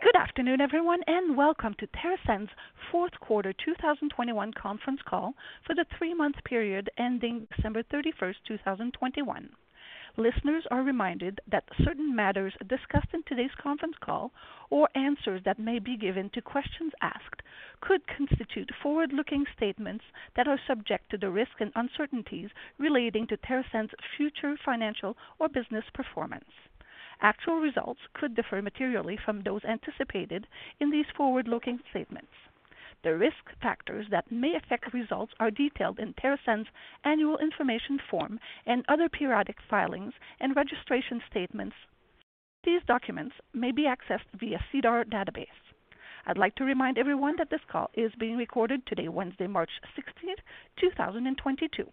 Good afternoon, everyone, and welcome to TerrAscend's fourth quarter 2021 conference call for the three-month period ending December 31, 2021. Listeners are reminded that certain matters discussed in today's conference call or answers that may be given to questions asked could constitute forward-looking statements that are subject to the risks and uncertainties relating to TerrAscend's future financial or business performance. Actual results could differ materially from those anticipated in these forward-looking statements. The risk factors that may affect results are detailed in TerrAscend's Annual Information Form and other periodic filings and registration statements. These documents may be accessed via SEDAR database. I'd like to remind everyone that this call is being recorded today, Wednesday, March 16, 2022.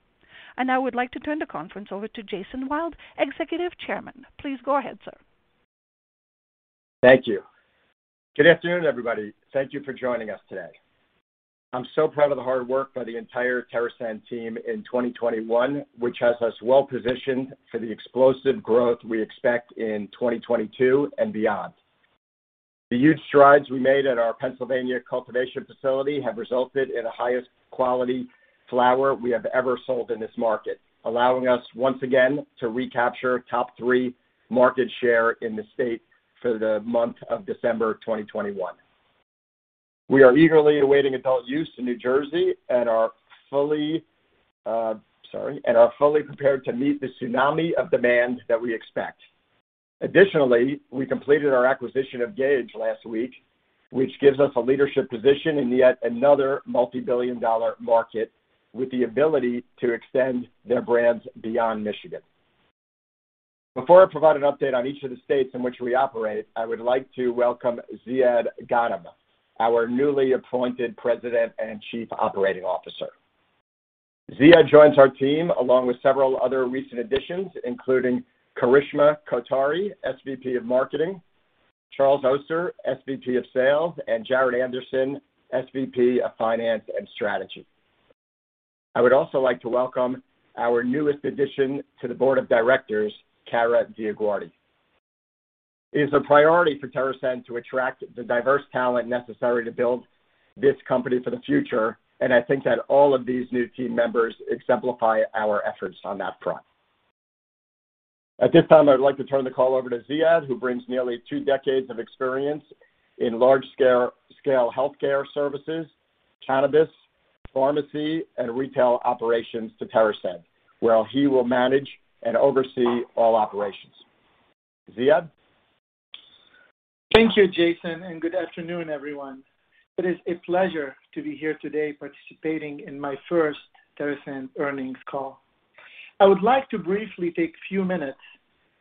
I now would like to turn the conference over to Jason Wild, Executive Chairman. Please go ahead, sir. Thank you. Good afternoon, everybody. Thank you for joining us today. I'm so proud of the hard work by the entire TerrAscend team in 2021, which has us well-positioned for the explosive growth we expect in 2022 and beyond. The huge strides we made at our Pennsylvania cultivation facility have resulted in the highest quality flower we have ever sold in this market, allowing us once again to recapture top-three market share in the state for the month of December 2021. We are eagerly awaiting adult use in New Jersey and are fully prepared to meet the tsunami of demand that we expect. Additionally, we completed our acquisition of Gage last week, which gives us a leadership position in yet another multi-billion-dollar market with the ability to extend their brands beyond Michigan. Before I provide an update on each of the states in which we operate, I would like to welcome Ziad Ghanem, our newly appointed President and Chief Operating Officer. Ziad joins our team along with several other recent additions, including Charishma Kothari, SVP of Marketing, Charles Oster, SVP of Sales, and Jared Anderson, SVP of Finance and Strategy. I would also like to welcome our newest addition to the board of directors, Kara DioGuardi. It is a priority for TerrAscend to attract the diverse talent necessary to build this company for the future, and I think that all of these new team members exemplify our efforts on that front. At this time, I'd like to turn the call over to Ziad, who brings nearly two decades of experience in large-scale healthcare services, cannabis, pharmacy, and retail operations to TerrAscend, where he will manage and oversee all operations. Ziad. Thank you, Jason, and good afternoon, everyone. It is a pleasure to be here today, participating in my first TerrAscend earnings call. I would like to briefly take a few minutes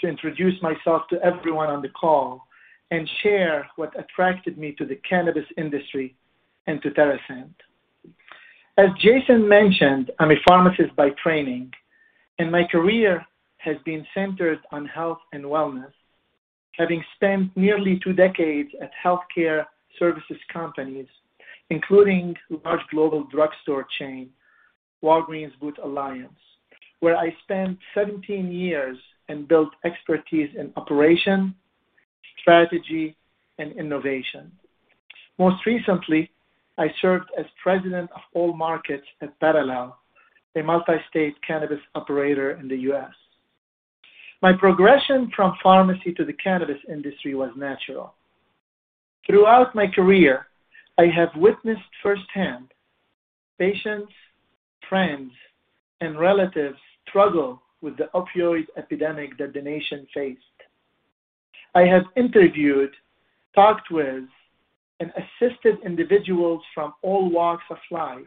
to introduce myself to everyone on the call and share what attracted me to the cannabis industry and to TerrAscend. As Jason mentioned, I'm a pharmacist by training, and my career has been centered on health and wellness, having spent nearly two decades at healthcare services companies, including large global drugstore chain Walgreens Boots Alliance, where I spent 17 years and built expertise in operations, strategy, and innovation. Most recently, I served as President of All Markets at Parallel, a multi-state cannabis operator in the U.S. My progression from pharmacy to the cannabis industry was natural. Throughout my career, I have witnessed firsthand patients, friends, and relatives struggle with the opioid epidemic that the nation faced. I have interviewed, talked with, and assisted individuals from all walks of life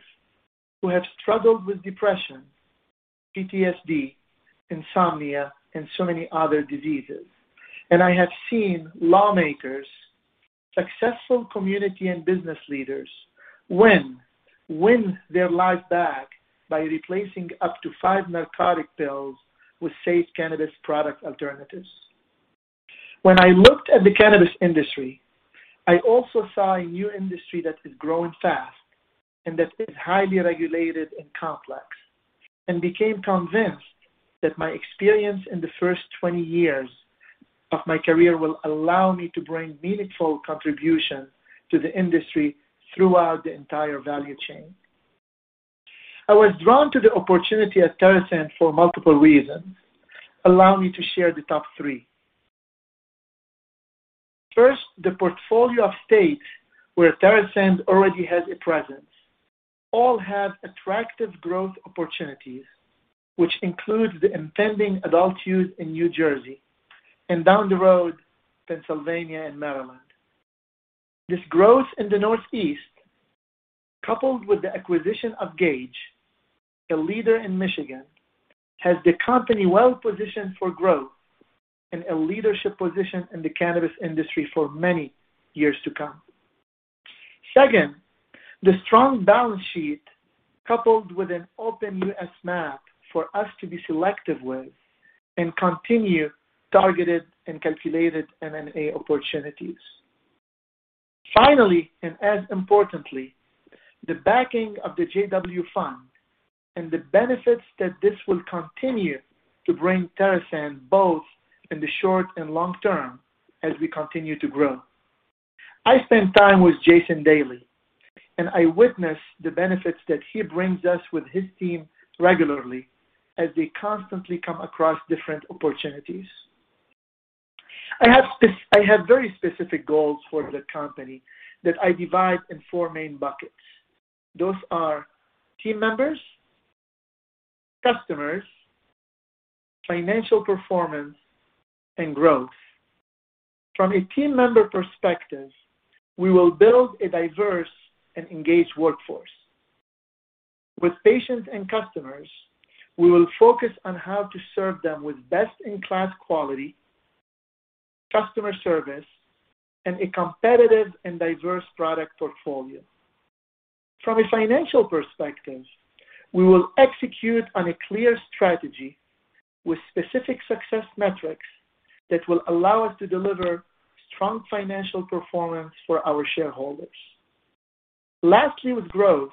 who have struggled with depression, PTSD, insomnia, and so many other diseases. I have seen lawmakers, successful community and business leaders win their lives back by replacing up to five narcotic pills with safe cannabis product alternatives. When I looked at the cannabis industry, I also saw a new industry that is growing fast and that is highly regulated and complex, and became convinced that my experience in the first 20 years of my career will allow me to bring meaningful contribution to the industry throughout the entire value chain. I was drawn to the opportunity at TerrAscend for multiple reasons. Allow me to share the top three. First, the portfolio of states where TerrAscend already has a presence all have attractive growth opportunities, which includes the impending adult use in New Jersey, and down the road, Pennsylvania and Maryland. This growth in the Northeast, coupled with the acquisition of Gage, a leader in Michigan, has the company well-positioned for growth and a leadership position in the cannabis industry for many years to come. Second, the strong balance sheet coupled with an open U.S. map for us to be selective with and continue targeted and calculated M&A opportunities. Finally, and as importantly, the backing of the JW Asset Management and the benefits that this will continue to bring TerrAscend both in the short and long term as we continue to grow. I spend time with Jason Wild daily, and I witness the benefits that he brings us with his team regularly as they constantly come across different opportunities. I have very specific goals for the company that I divide into four main buckets. Those are team members, customers, financial performance, and growth. From a team member perspective, we will build a diverse and engaged workforce. With patients and customers, we will focus on how to serve them with best-in-class quality, customer service, and a competitive and diverse product portfolio. From a financial perspective, we will execute on a clear strategy with specific success metrics that will allow us to deliver strong financial performance for our shareholders. Lastly, with growth,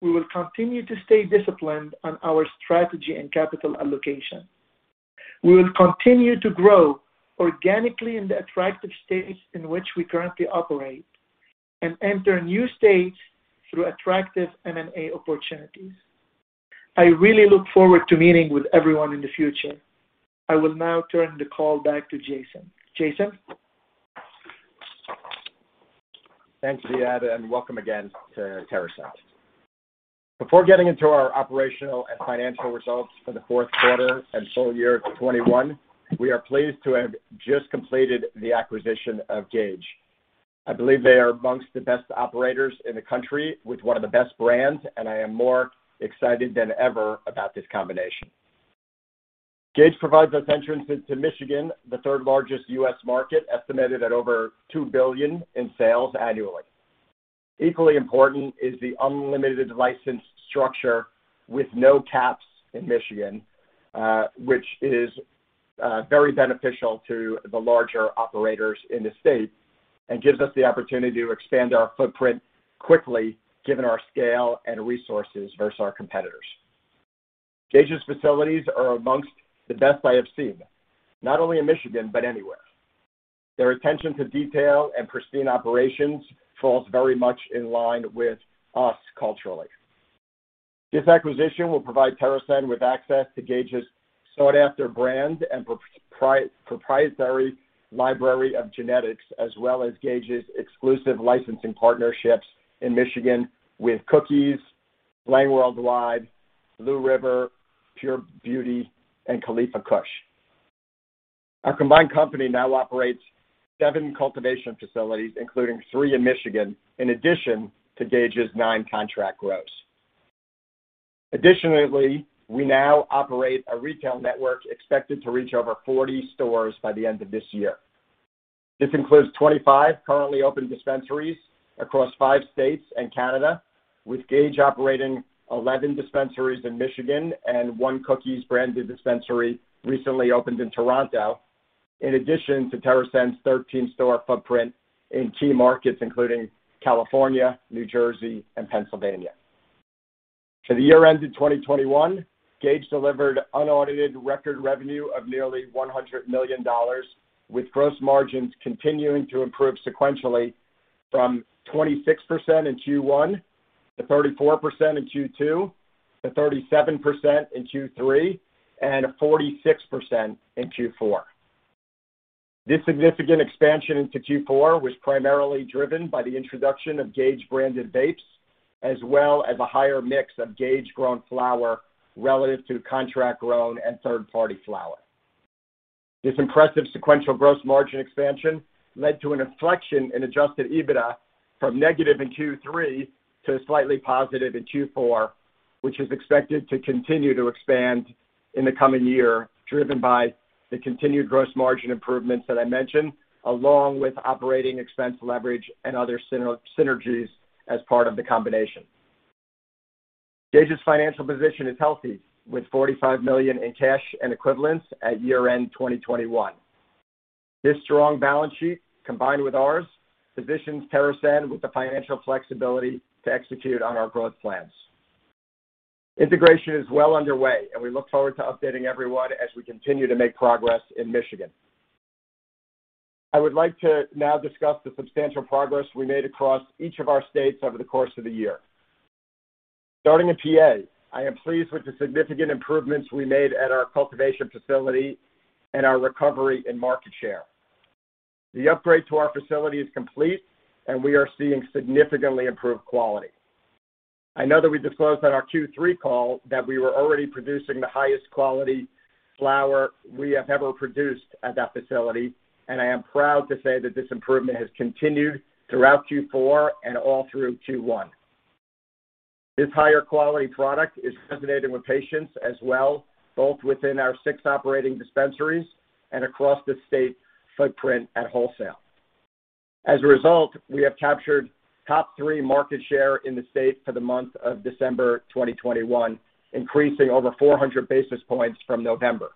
we will continue to stay disciplined on our strategy and capital allocation. We will continue to grow organically in the attractive states in which we currently operate and enter new states through attractive M&A opportunities. I really look forward to meeting with everyone in the future. I will now turn the call back to Jason. Jason? Thanks, Ziad, and welcome again to TerrAscend. Before getting into our operational and financial results for the fourth quarter and full year of 2021, we are pleased to have just completed the acquisition of Gage. I believe they are amongst the best operators in the country with one of the best brands, and I am more excited than ever about this combination. Gage provides us entrance into Michigan, the third-largest U.S. market, estimated at over $2 billion in sales annually. Equally important is the unlimited license structure with no caps in Michigan, which is very beneficial to the larger operators in the state and gives us the opportunity to expand our footprint quickly given our scale and resources versus our competitors. Gage's facilities are amongst the best I have seen, not only in Michigan, but anywhere. Their attention to detail and pristine operations falls very much in line with us culturally. This acquisition will provide TerrAscend with access to Gage's sought-after brand and proprietary library of genetics, as well as Gage's exclusive licensing partnerships in Michigan with Cookies, Laying Worldwide, Blue River, Pure Beauty, and Khalifa Kush. Our combined company now operates 7 cultivation facilities, including three in Michigan, in addition to Gage's nine contract grows. Additionally, we now operate a retail network expected to reach over 40 stores by the end of this year. This includes 25 currently open dispensaries across five states and Canada, with Gage operating 11 dispensaries in Michigan and one Cookies-branded dispensary recently opened in Toronto, in addition to TerrAscend's 13-store footprint in key markets, including California, New Jersey, and Pennsylvania. For the year ended 2021, Gage delivered unaudited record revenue of nearly $100 million, with gross margins continuing to improve sequentially from 26% in Q1 to 34% in Q2 to 37% in Q3 and 46% in Q4. This significant expansion into Q4 was primarily driven by the introduction of Gage-branded vapes, as well as a higher mix of Gage-grown flower relative to contract-grown and third-party flower. This impressive sequential gross margin expansion led to an inflection in adjusted EBITDA from negative in Q3 to slightly positive in Q4, which is expected to continue to expand in the coming year, driven by the continued gross margin improvements that I mentioned, along with operating expense leverage and other synergies as part of the combination. Gage's financial position is healthy, with $45 million in cash and equivalents at year-end 2021. This strong balance sheet, combined with ours, positions TerrAscend with the financial flexibility to execute on our growth plans. Integration is well underway, and we look forward to updating everyone as we continue to make progress in Michigan. I would like to now discuss the substantial progress we made across each of our states over the course of the year. Starting in PA, I am pleased with the significant improvements we made at our cultivation facility and our recovery in market share. The upgrade to our facility is complete, and we are seeing significantly improved quality. I know that we disclosed on our Q3 call that we were already producing the highest quality flower we have ever produced at that facility, and I am proud to say that this improvement has continued throughout Q4 and all through Q1. This higher quality product is resonating with patients as well, both within our six operating dispensaries and across the state footprint at wholesale. As a result, we have captured top-three market share in the state for the month of December 2021, increasing over 400 basis points from November.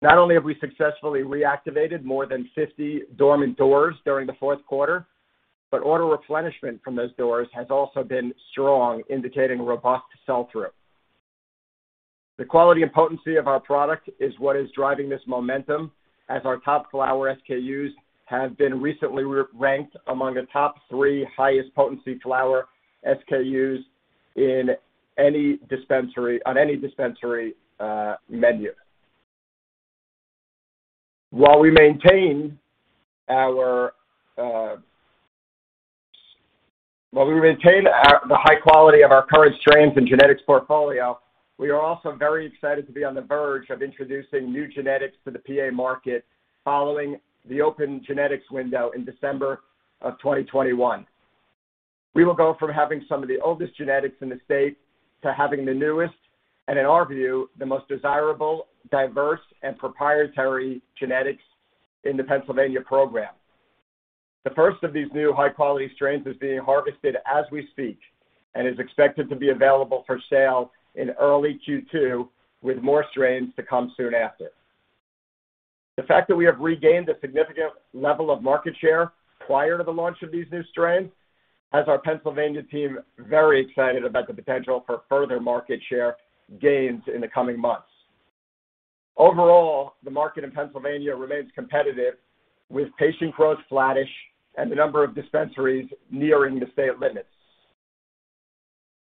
Not only have we successfully reactivated more than 50 dormant doors during the fourth quarter, but order replenishment from those doors has also been strong, indicating robust sell-through. The quality and potency of our product is what is driving this momentum as our top flower SKUs have been recently re-ranked among the top three highest potency flower SKUs in any dispensary, on any dispensary, menu. While we maintain our high quality of our current strains and genetics portfolio, we are also very excited to be on the verge of introducing new genetics to the PA market following the open genetics window in December of 2021. We will go from having some of the oldest genetics in the state to having the newest and in our view, the most desirable, diverse, and proprietary genetics in the Pennsylvania program. The first of these new high-quality strains is being harvested as we speak, and is expected to be available for sale in early Q2, with more strains to come soon after. The fact that we have regained a significant level of market share prior to the launch of these new strains has our Pennsylvania team very excited about the potential for further market share gains in the coming months. Overall, the market in Pennsylvania remains competitive, with patient growth flattish and the number of dispensaries nearing the state limits.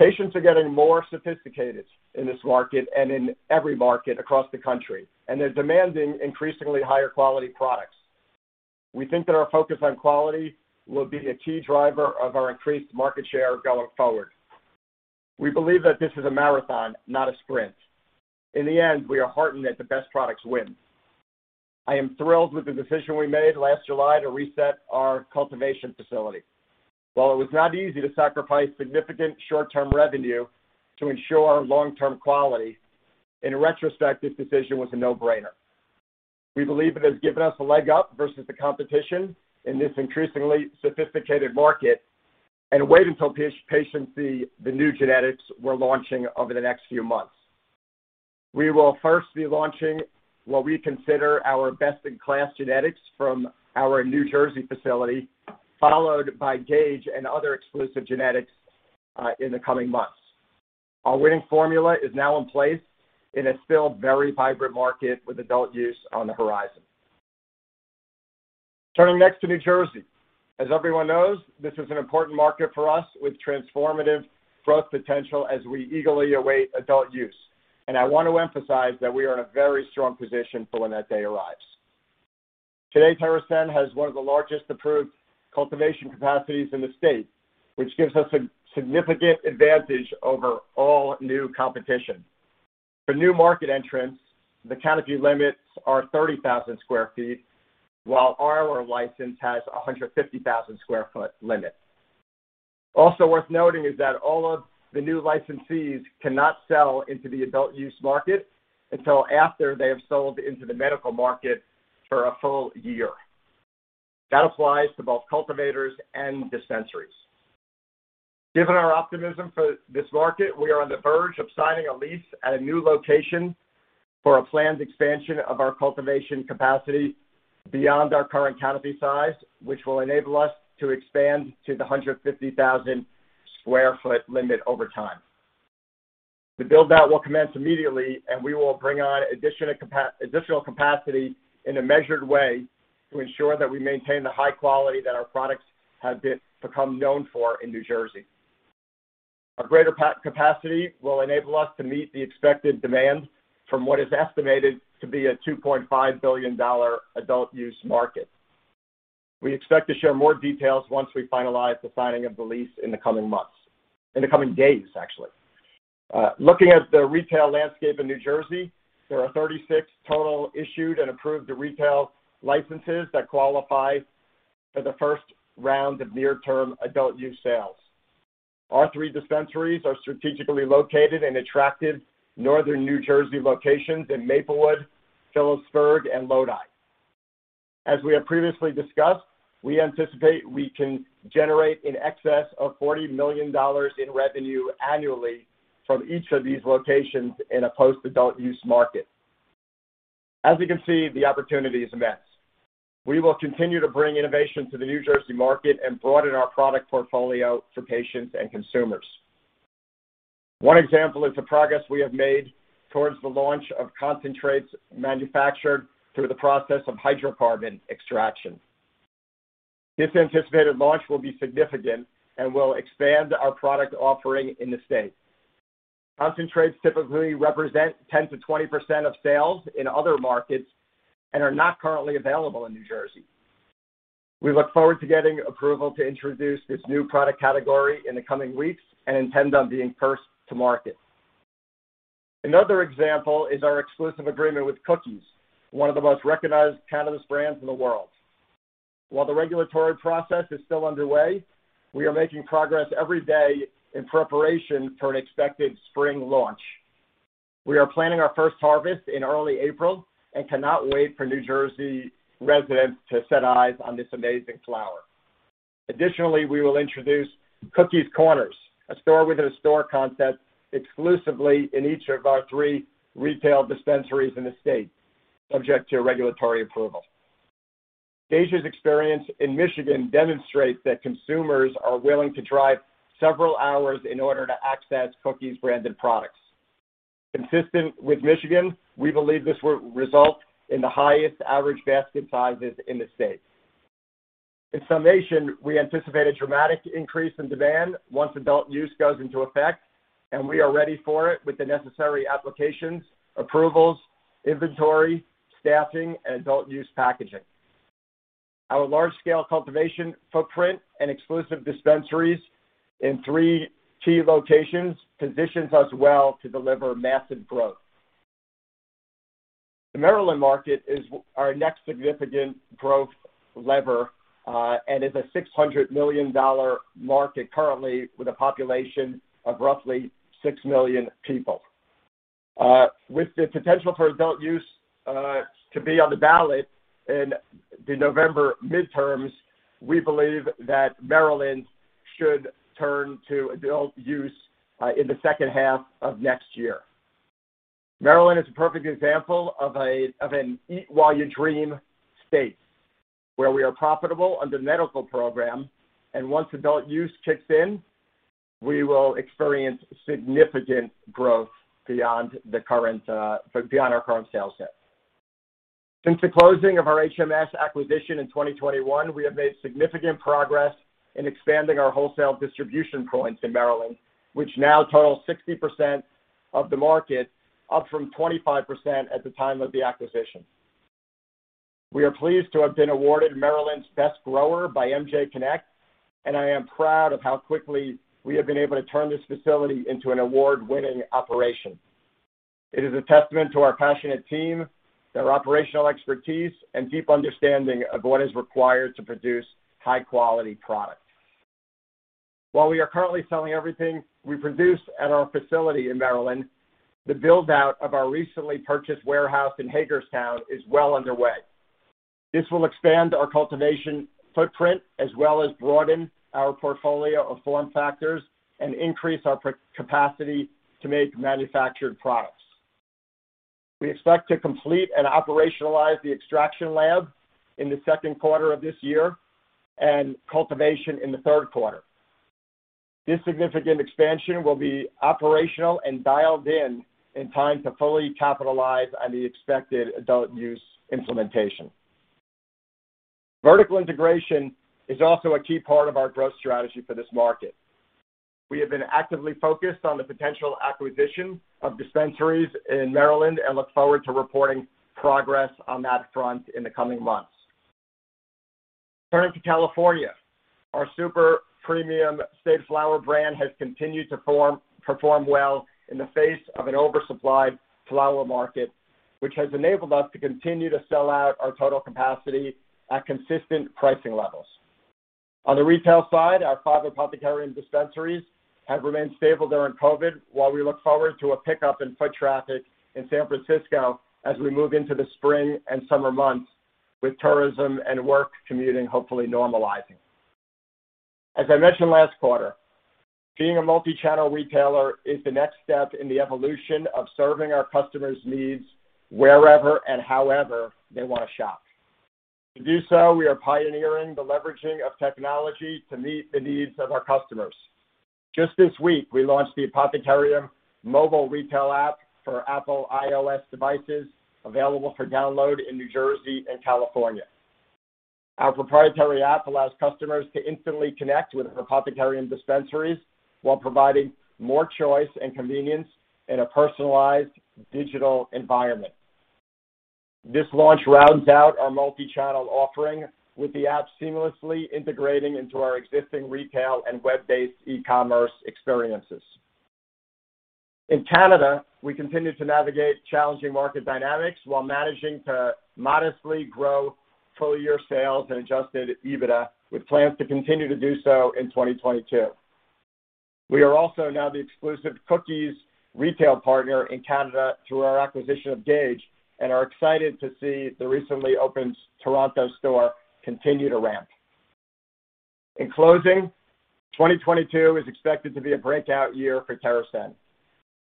Patients are getting more sophisticated in this market and in every market across the country, and they're demanding increasingly higher quality products. We think that our focus on quality will be a key driver of our increased market share going forward. We believe that this is a marathon, not a sprint. In the end, we are heartened that the best products win. I am thrilled with the decision we made last July to reset our cultivation facility. While it was not easy to sacrifice significant short-term revenue to ensure our long-term quality, in retrospect, this decision was a no-brainer. We believe it has given us a leg up versus the competition in this increasingly sophisticated market, and wait until patients see the new genetics we're launching over the next few months. We will first be launching what we consider our best-in-class genetics from our New Jersey facility, followed by Gage and other exclusive genetics in the coming months. Our winning formula is now in place in a still very vibrant market with adult use on the horizon. Turning next to New Jersey. As everyone knows, this is an important market for us with transformative growth potential as we eagerly await adult use. I want to emphasize that we are in a very strong position for when that day arrives. Today, TerrAscend has one of the largest approved cultivation capacities in the state, which gives us a significant advantage over all new competition. For new market entrants, the canopy limits are 30,000 sq ft, while our license has a 150,000 sq ft limit. Also worth noting is that all of the new licensees cannot sell into the adult use market until after they have sold into the medical market for a full year. That applies to both cultivators and dispensaries. Given our optimism for this market, we are on the verge of signing a lease at a new location for a planned expansion of our cultivation capacity beyond our current canopy size, which will enable us to expand to the 150,000 sq ft limit over time. The build-out will commence immediately, and we will bring on additional capacity in a measured way to ensure that we maintain the high quality that our products have become known for in New Jersey. A greater capacity will enable us to meet the expected demand from what is estimated to be a $2.5 billion adult-use market. We expect to share more details once we finalize the signing of the lease in the coming months, in the coming days, actually. Looking at the retail landscape in New Jersey, there are 36 total issued and approved retail licenses that qualify for the first round of near-term adult-use sales. Our three dispensaries are strategically located in attractive northern New Jersey locations in Maplewood, Phillipsburg, and Lodi. As we have previously discussed, we anticipate we can generate in excess of $40 million in revenue annually from each of these locations in a post-adult-use market. As you can see, the opportunity is immense. We will continue to bring innovation to the New Jersey market and broaden our product portfolio for patients and consumers. One example is the progress we have made towards the launch of concentrates manufactured through the process of hydrocarbon extraction. This anticipated launch will be significant and will expand our product offering in the state. Concentrates typically represent 10%-20% of sales in other markets and are not currently available in New Jersey. We look forward to getting approval to introduce this new product category in the coming weeks and intend on being first to market. Another example is our exclusive agreement with Cookies, one of the most recognized cannabis brands in the world. While the regulatory process is still underway, we are making progress every day in preparation for an expected spring launch. We are planning our first harvest in early April and cannot wait for New Jersey residents to set eyes on this amazing flower. Additionally, we will introduce Cookies Corners, a store-within-a-store concept exclusively in each of our three retail dispensaries in the state, subject to regulatory approval. Gage's experience in Michigan demonstrates that consumers are willing to drive several hours in order to access Cookies branded products. Consistent with Michigan, we believe this will result in the highest average basket sizes in the state. In summation, we anticipate a dramatic increase in demand once adult use goes into effect, and we are ready for it with the necessary applications, approvals, inventory, staffing, and adult use packaging. Our large-scale cultivation footprint and exclusive dispensaries in three key locations positions us well to deliver massive growth. The Maryland market is our next significant growth lever, and is a $600 million market currently with a population of roughly 6 million people. With the potential for adult use to be on the ballot in the November midterms, we believe that Maryland should turn to adult use in the second half of next year. Maryland is a perfect example of an eat-while-you-dream state, where we are profitable under medical program, and once adult use kicks in, we will experience significant growth beyond our current sales set. Since the closing of our HMS acquisition in 2021, we have made significant progress in expanding our wholesale distribution points in Maryland, which now totals 60% of the market, up from 25% at the time of the acquisition. We are pleased to have been awarded Maryland's Best Grower by The MJ Connect, and I am proud of how quickly we have been able to turn this facility into an award-winning operation. It is a testament to our passionate team, their operational expertise, and deep understanding of what is required to produce high-quality products. While we are currently selling everything we produce at our facility in Maryland, the build-out of our recently purchased warehouse in Hagerstown is well underway. This will expand our cultivation footprint as well as broaden our portfolio of form factors and increase our capacity to make manufactured products. We expect to complete and operationalize the extraction lab in the second quarter of this year, and cultivation in the third quarter. This significant expansion will be operational and dialed in in time to fully capitalize on the expected adult use implementation. Vertical integration is also a key part of our growth strategy for this market. We have been actively focused on the potential acquisition of dispensaries in Maryland and look forward to reporting progress on that front in the coming months. Turning to California, our super premium State Flower brand has continued to perform well in the face of an oversupplied flower market, which has enabled us to continue to sell out our total capacity at consistent pricing levels. On the retail side, our five Apothecarium dispensaries have remained stable during COVID, while we look forward to a pickup in foot traffic in San Francisco as we move into the spring and summer months, with tourism and work commuting hopefully normalizing. As I mentioned last quarter, being a multi-channel retailer is the next step in the evolution of serving our customers' needs wherever and however they wanna shop. To do so, we are pioneering the leveraging of technology to meet the needs of our customers. Just this week, we launched the Apothecarium mobile retail app for Apple iOS devices, available for download in New Jersey and California. Our proprietary app allows customers to instantly connect with Apothecarium dispensaries while providing more choice and convenience in a personalized digital environment. This launch rounds out our multi-channel offering, with the app seamlessly integrating into our existing retail and web-based e-commerce experiences. In Canada, we continue to navigate challenging market dynamics while managing to modestly grow full-year sales and adjusted EBITDA, with plans to continue to do so in 2022. We are also now the exclusive Cookies retail partner in Canada through our acquisition of Gage and are excited to see the recently opened Toronto store continue to ramp. In closing, 2022 is expected to be a breakout year for TerrAscend.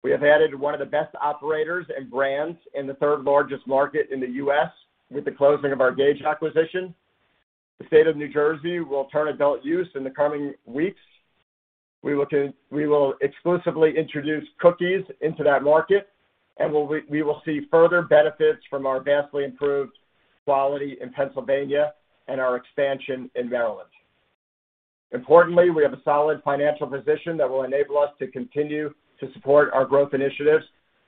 We have added one of the best operators and brands in the third largest market in the U.S. with the closing of our Gage acquisition. The state of New Jersey will turn adult use in the coming weeks. We will exclusively introduce Cookies into that market, and we will see further benefits from our vastly improved quality in Pennsylvania and our expansion in Maryland. Importantly, we have a solid financial position that will enable us to continue to support our growth initiatives,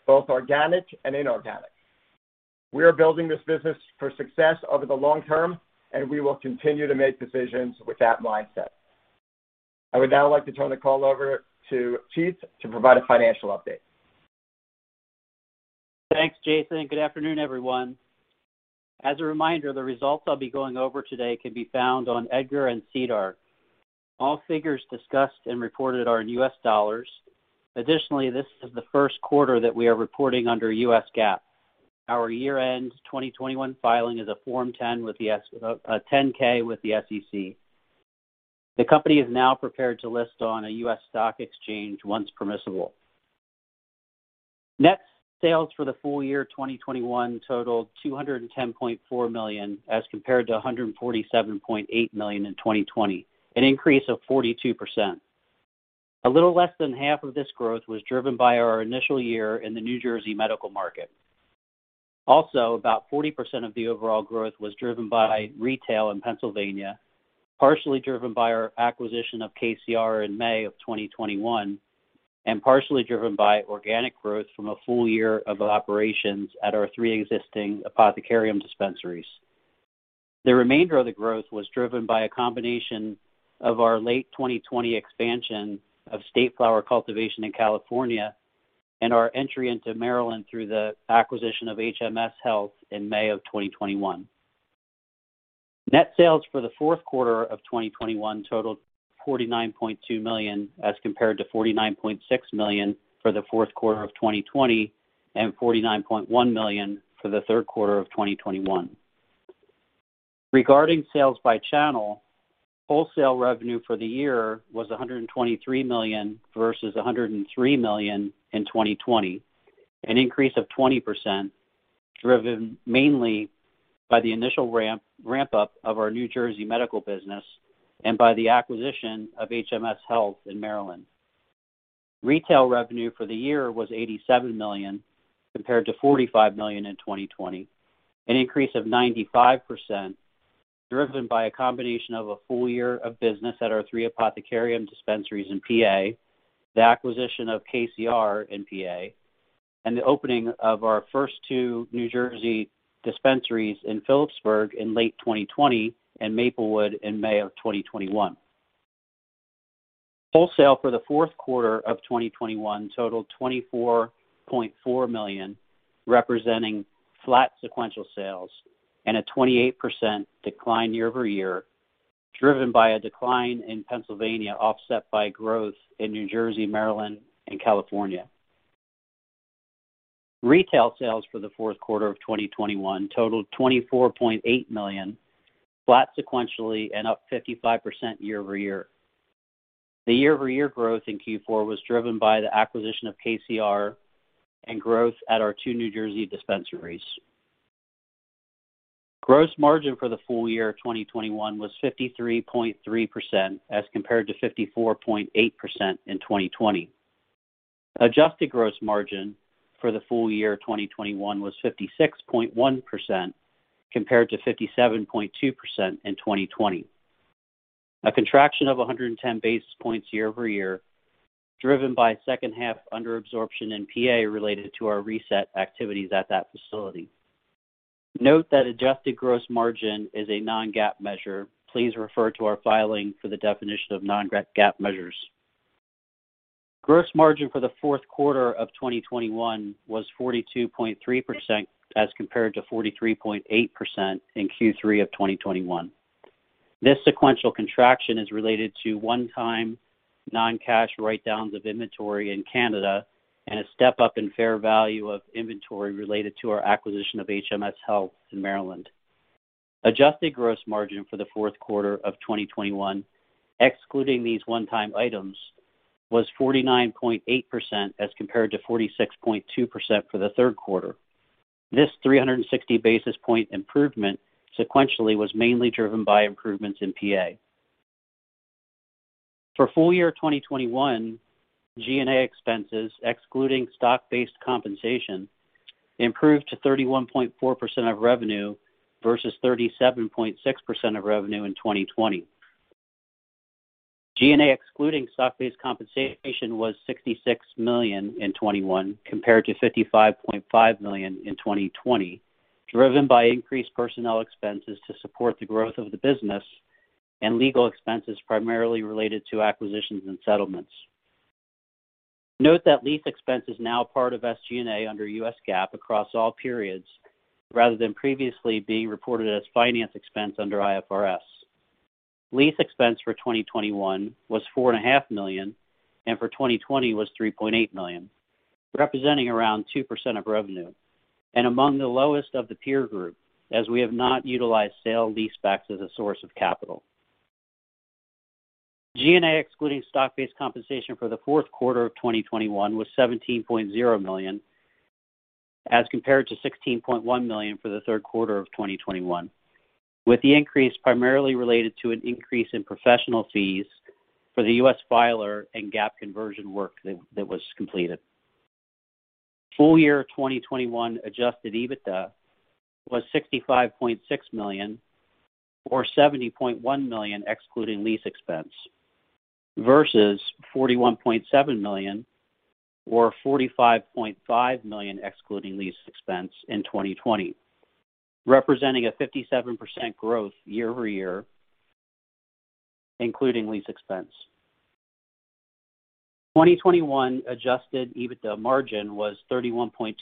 both organic and inorganic. We are building this business for success over the long term, and we will continue to make decisions with that mindset. I would now like to turn the call over to Keith to provide a financial update. Thanks, Jason, good afternoon, everyone. As a reminder, the results I'll be going over today can be found on EDGAR and SEDAR. All figures discussed and reported are in US dollars. Additionally, this is the first quarter that we are reporting under US GAAP. Our year-end 2021 filing is a Form 10-K with the SEC. The company is now prepared to list on a US stock exchange once permissible. Net sales for the full year 2021 totaled $210.4 million as compared to $147.8 million in 2020, an increase of 42%. A little less than half of this growth was driven by our initial year in the New Jersey medical market. About 40% of the overall growth was driven by retail in Pennsylvania, partially driven by our acquisition of KCR in May 2021, and partially driven by organic growth from a full year of operations at our three existing Apothecarium dispensaries. The remainder of the growth was driven by a combination of our late 2020 expansion of State Flower cultivation in California and our entry into Maryland through the acquisition of HMS Health in May 2021. Net sales for the fourth quarter of 2021 totaled $49.2 million as compared to $49.6 million for the fourth quarter of 2020 and $49.1 million for the third quarter of 2021. Regarding sales by channel, wholesale revenue for the year was $123 million versus $103 million in 2020, an increase of 20%, driven mainly by the initial ramp-up of our New Jersey medical business and by the acquisition of HMS Health in Maryland. Retail revenue for the year was $87 million compared to $45 million in 2020, an increase of 95%, driven by a combination of a full year of business at our three Apothecarium dispensaries in PA, the acquisition of KCR in PA, and the opening of our first two New Jersey dispensaries in Phillipsburg in late 2020 and Maplewood in May 2021. Wholesale for the fourth quarter of 2021 totaled $24.4 million, representing flat sequential sales and a 28% decline year-over-year, driven by a decline in Pennsylvania, offset by growth in New Jersey, Maryland, and California. Retail sales for the fourth quarter of 2021 totaled $24.8 million, flat sequentially and up 55% year-over-year. The year-over-year growth in Q4 was driven by the acquisition of KCR and growth at our two New Jersey dispensaries. Gross margin for the full year of 2021 was 53.3% as compared to 54.8% in 2020. Adjusted gross margin for the full year of 2021 was 56.1% compared to 57.2% in 2020. A contraction of 110 basis points year-over-year, driven by second half under absorption in PA related to our reset activities at that facility. Note that adjusted gross margin is a non-GAAP measure. Please refer to our filing for the definition of non-GAAP measures. Gross margin for the fourth quarter of 2021 was 42.3% as compared to 43.8% in Q3 of 2021. This sequential contraction is related to one-time non-cash write-downs of inventory in Canada and a step-up in fair value of inventory related to our acquisition of HMS Health in Maryland. Adjusted gross margin for the fourth quarter of 2021, excluding these one-time items, was 49.8% as compared to 46.2% for the third quarter. This 360 basis point improvement sequentially was mainly driven by improvements in PA For full year 2021, G&A expenses excluding stock-based compensation improved to 31.4% of revenue versus 37.6% of revenue in 2020. G&A excluding stock-based compensation was $66 million in 2021 compared to $55.5 million in 2020, driven by increased personnel expenses to support the growth of the business and legal expenses primarily related to acquisitions and settlements. Note that lease expense is now part of SG&A under US GAAP across all periods, rather than previously being reported as finance expense under IFRS. Lease expense for 2021 was $4 and a half million, and for 2020 was $3.8 million, representing around 2% of revenue and among the lowest of the peer group, as we have not utilized sale lease backs as a source of capital. G&A excluding stock-based compensation for the fourth quarter of 2021 was $17.0 million, as compared to $16.1 million for the third quarter of 2021, with the increase primarily related to an increase in professional fees for the U.S. filer and GAAP conversion work that was completed. Full-year 2021 adjusted EBITDA was $65.6 million, or $70.1 million excluding lease expense, versus $41.7 million or $45.5 million excluding lease expense in 2020, representing a 57% growth year-over-year, including lease expense. 2021 adjusted EBITDA margin was 31.2%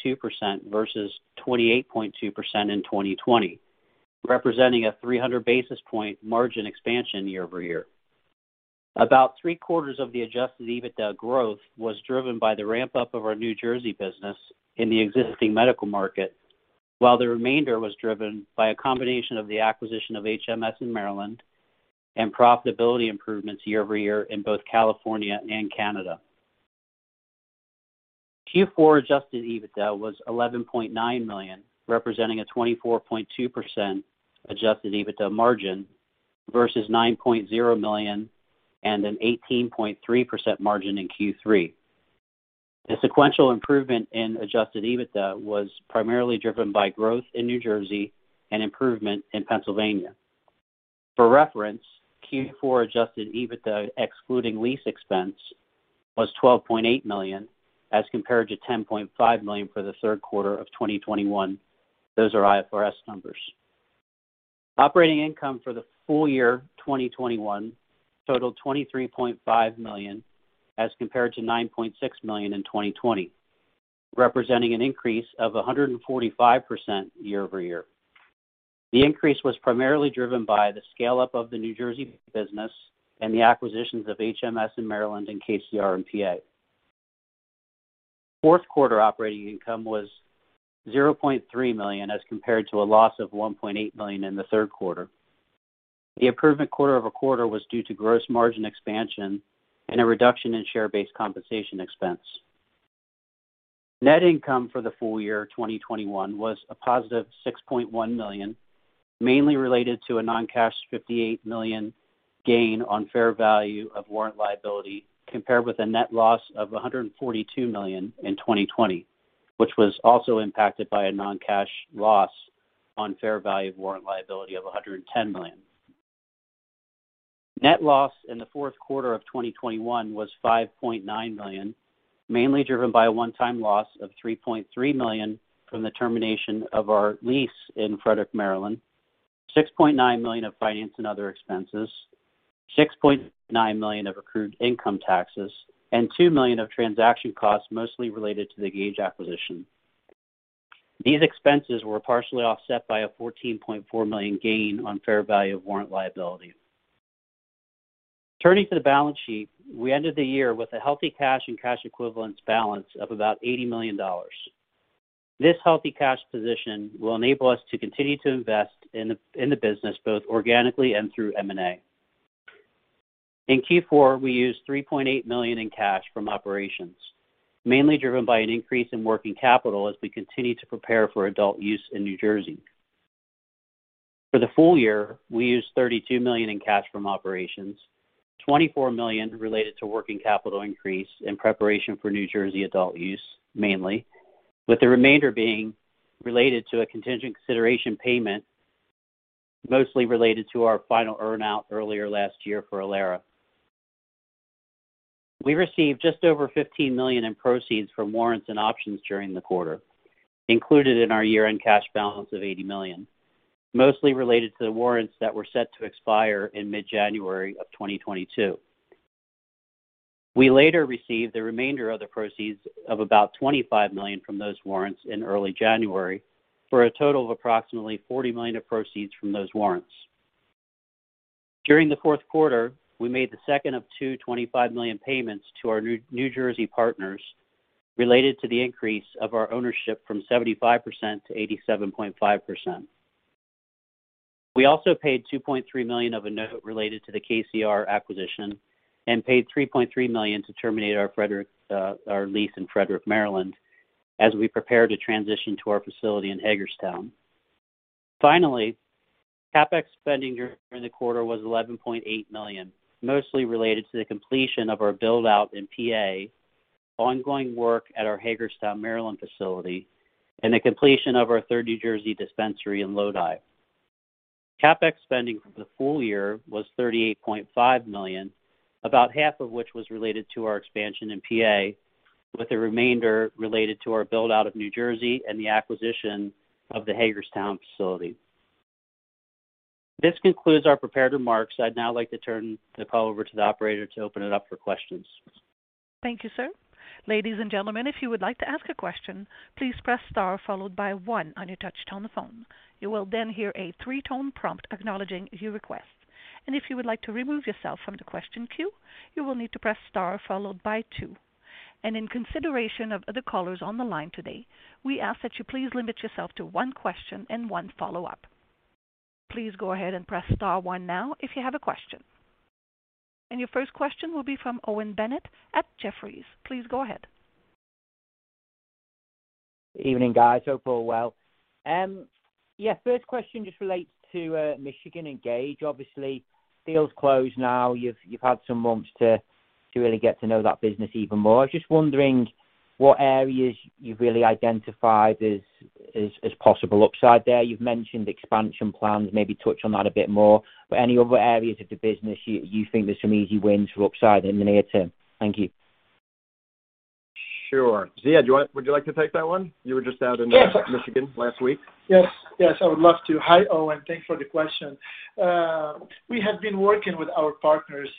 versus 28.2% in 2020, representing a 300 basis point margin expansion year-over-year. About three-quarters of the adjusted EBITDA growth was driven by the ramp-up of our New Jersey business in the existing medical market, while the remainder was driven by a combination of the acquisition of HMS in Maryland and profitability improvements year-over-year in both California and Canada. Q4 adjusted EBITDA was $11.9 million, representing a 24.2% adjusted EBITDA margin versus $9.0 million and an 18.3% margin in Q3. The sequential improvement in adjusted EBITDA was primarily driven by growth in New Jersey and improvement in Pennsylvania. For reference, Q4 adjusted EBITDA excluding lease expense was $12.8 million, as compared to $10.5 million for the third quarter of 2021. Those are IFRS numbers. Operating income for the full year 2021 totaled $23.5 million, as compared to $9.6 million in 2020, representing an increase of 145% year-over-year. The increase was primarily driven by the scale-up of the New Jersey business and the acquisitions of HMS in Maryland and KCR in PA. Fourth quarter operating income was $0.3 million, as compared to a loss of $1.8 million in the third quarter. The improvement quarter-over-quarter was due to gross margin expansion and a reduction in share-based compensation expense. Net income for the full year 2021 was a positive $6.1 million, mainly related to a non-cash $58 million gain on fair value of warrant liability, compared with a net loss of $142 million in 2020, which was also impacted by a non-cash loss on fair value of warrant liability of $110 million. Net loss in the fourth quarter of 2021 was $5.9 million, mainly driven by a one-time loss of $3.3 million from the termination of our lease in Frederick, Maryland, $6.9 million of finance and other expenses, $6.9 million of accrued income taxes, and $2 million of transaction costs, mostly related to the Gage acquisition. These expenses were partially offset by a $14.4 million gain on fair value of warrant liability. Turning to the balance sheet, we ended the year with a healthy cash and cash equivalents balance of about $80 million. This healthy cash position will enable us to continue to invest in the business, both organically and through M&A. In Q4, we used $3.8 million in cash from operations, mainly driven by an increase in working capital as we continue to prepare for adult use in New Jersey. For the full year, we used $32 million in cash from operations, $24 million related to working capital increase in preparation for New Jersey adult use mainly, with the remainder being related to a contingent consideration payment mostly related to our final earn-out earlier last year for Ilera. We received just over $15 million in proceeds from warrants and options during the quarter, included in our year-end cash balance of $80 million, mostly related to the warrants that were set to expire in mid-January of 2022. We later received the remainder of the proceeds of about $25 million from those warrants in early January for a total of approximately $40 million of proceeds from those warrants. During the fourth quarter, we made the second of two $25 million payments to our New Jersey partners related to the increase of our ownership from 75% to 87.5%. We also paid $2.3 million of a note related to the KCR acquisition and paid $3.3 million to terminate our Frederick, our lease in Frederick, Maryland, as we prepare to transition to our facility in Hagerstown. Finally, CapEx spending during the quarter was $11.8 million, mostly related to the completion of our build-out in PA, ongoing work at our Hagerstown, Maryland facility, and the completion of our third New Jersey dispensary in Lodi. CapEx spending for the full year was $38.5 million, about half of which was related to our expansion in PA, with the remainder related to our build-out of New Jersey and the acquisition of the Hagerstown facility. This concludes our prepared remarks. I'd now like to turn the call over to the operator to open it up for questions. Thank you, sir. Ladies and gentlemen, if you would like to ask a question, please press star followed by one on your touchtone phone. You will then hear a three-tone prompt acknowledging your request. If you would like to remove yourself from the question queue, you will need to press star followed by two. In consideration of other callers on the line today, we ask that you please limit yourself to one question and one follow-up. Please go ahead and press star one now if you have a question. Your first question will be from Owen Bennett at Jefferies. Please go ahead. Evening, guys. Hope all is well. Yeah, first question just relates to Michigan and Gage. Obviously, deal's closed now. You've had some months to really get to know that business even more. I was just wondering what areas you've really identified as possible upside there. You've mentioned expansion plans, maybe touch on that a bit more. But any other areas of the business you think there's some easy wins for upside in the near term? Thank you. Sure. Ziad, would you like to take that one? You were just out in- Yes. Michigan last week. Yes. Yes, I would love to. Hi, Owen. Thanks for the question. We have been working with our partners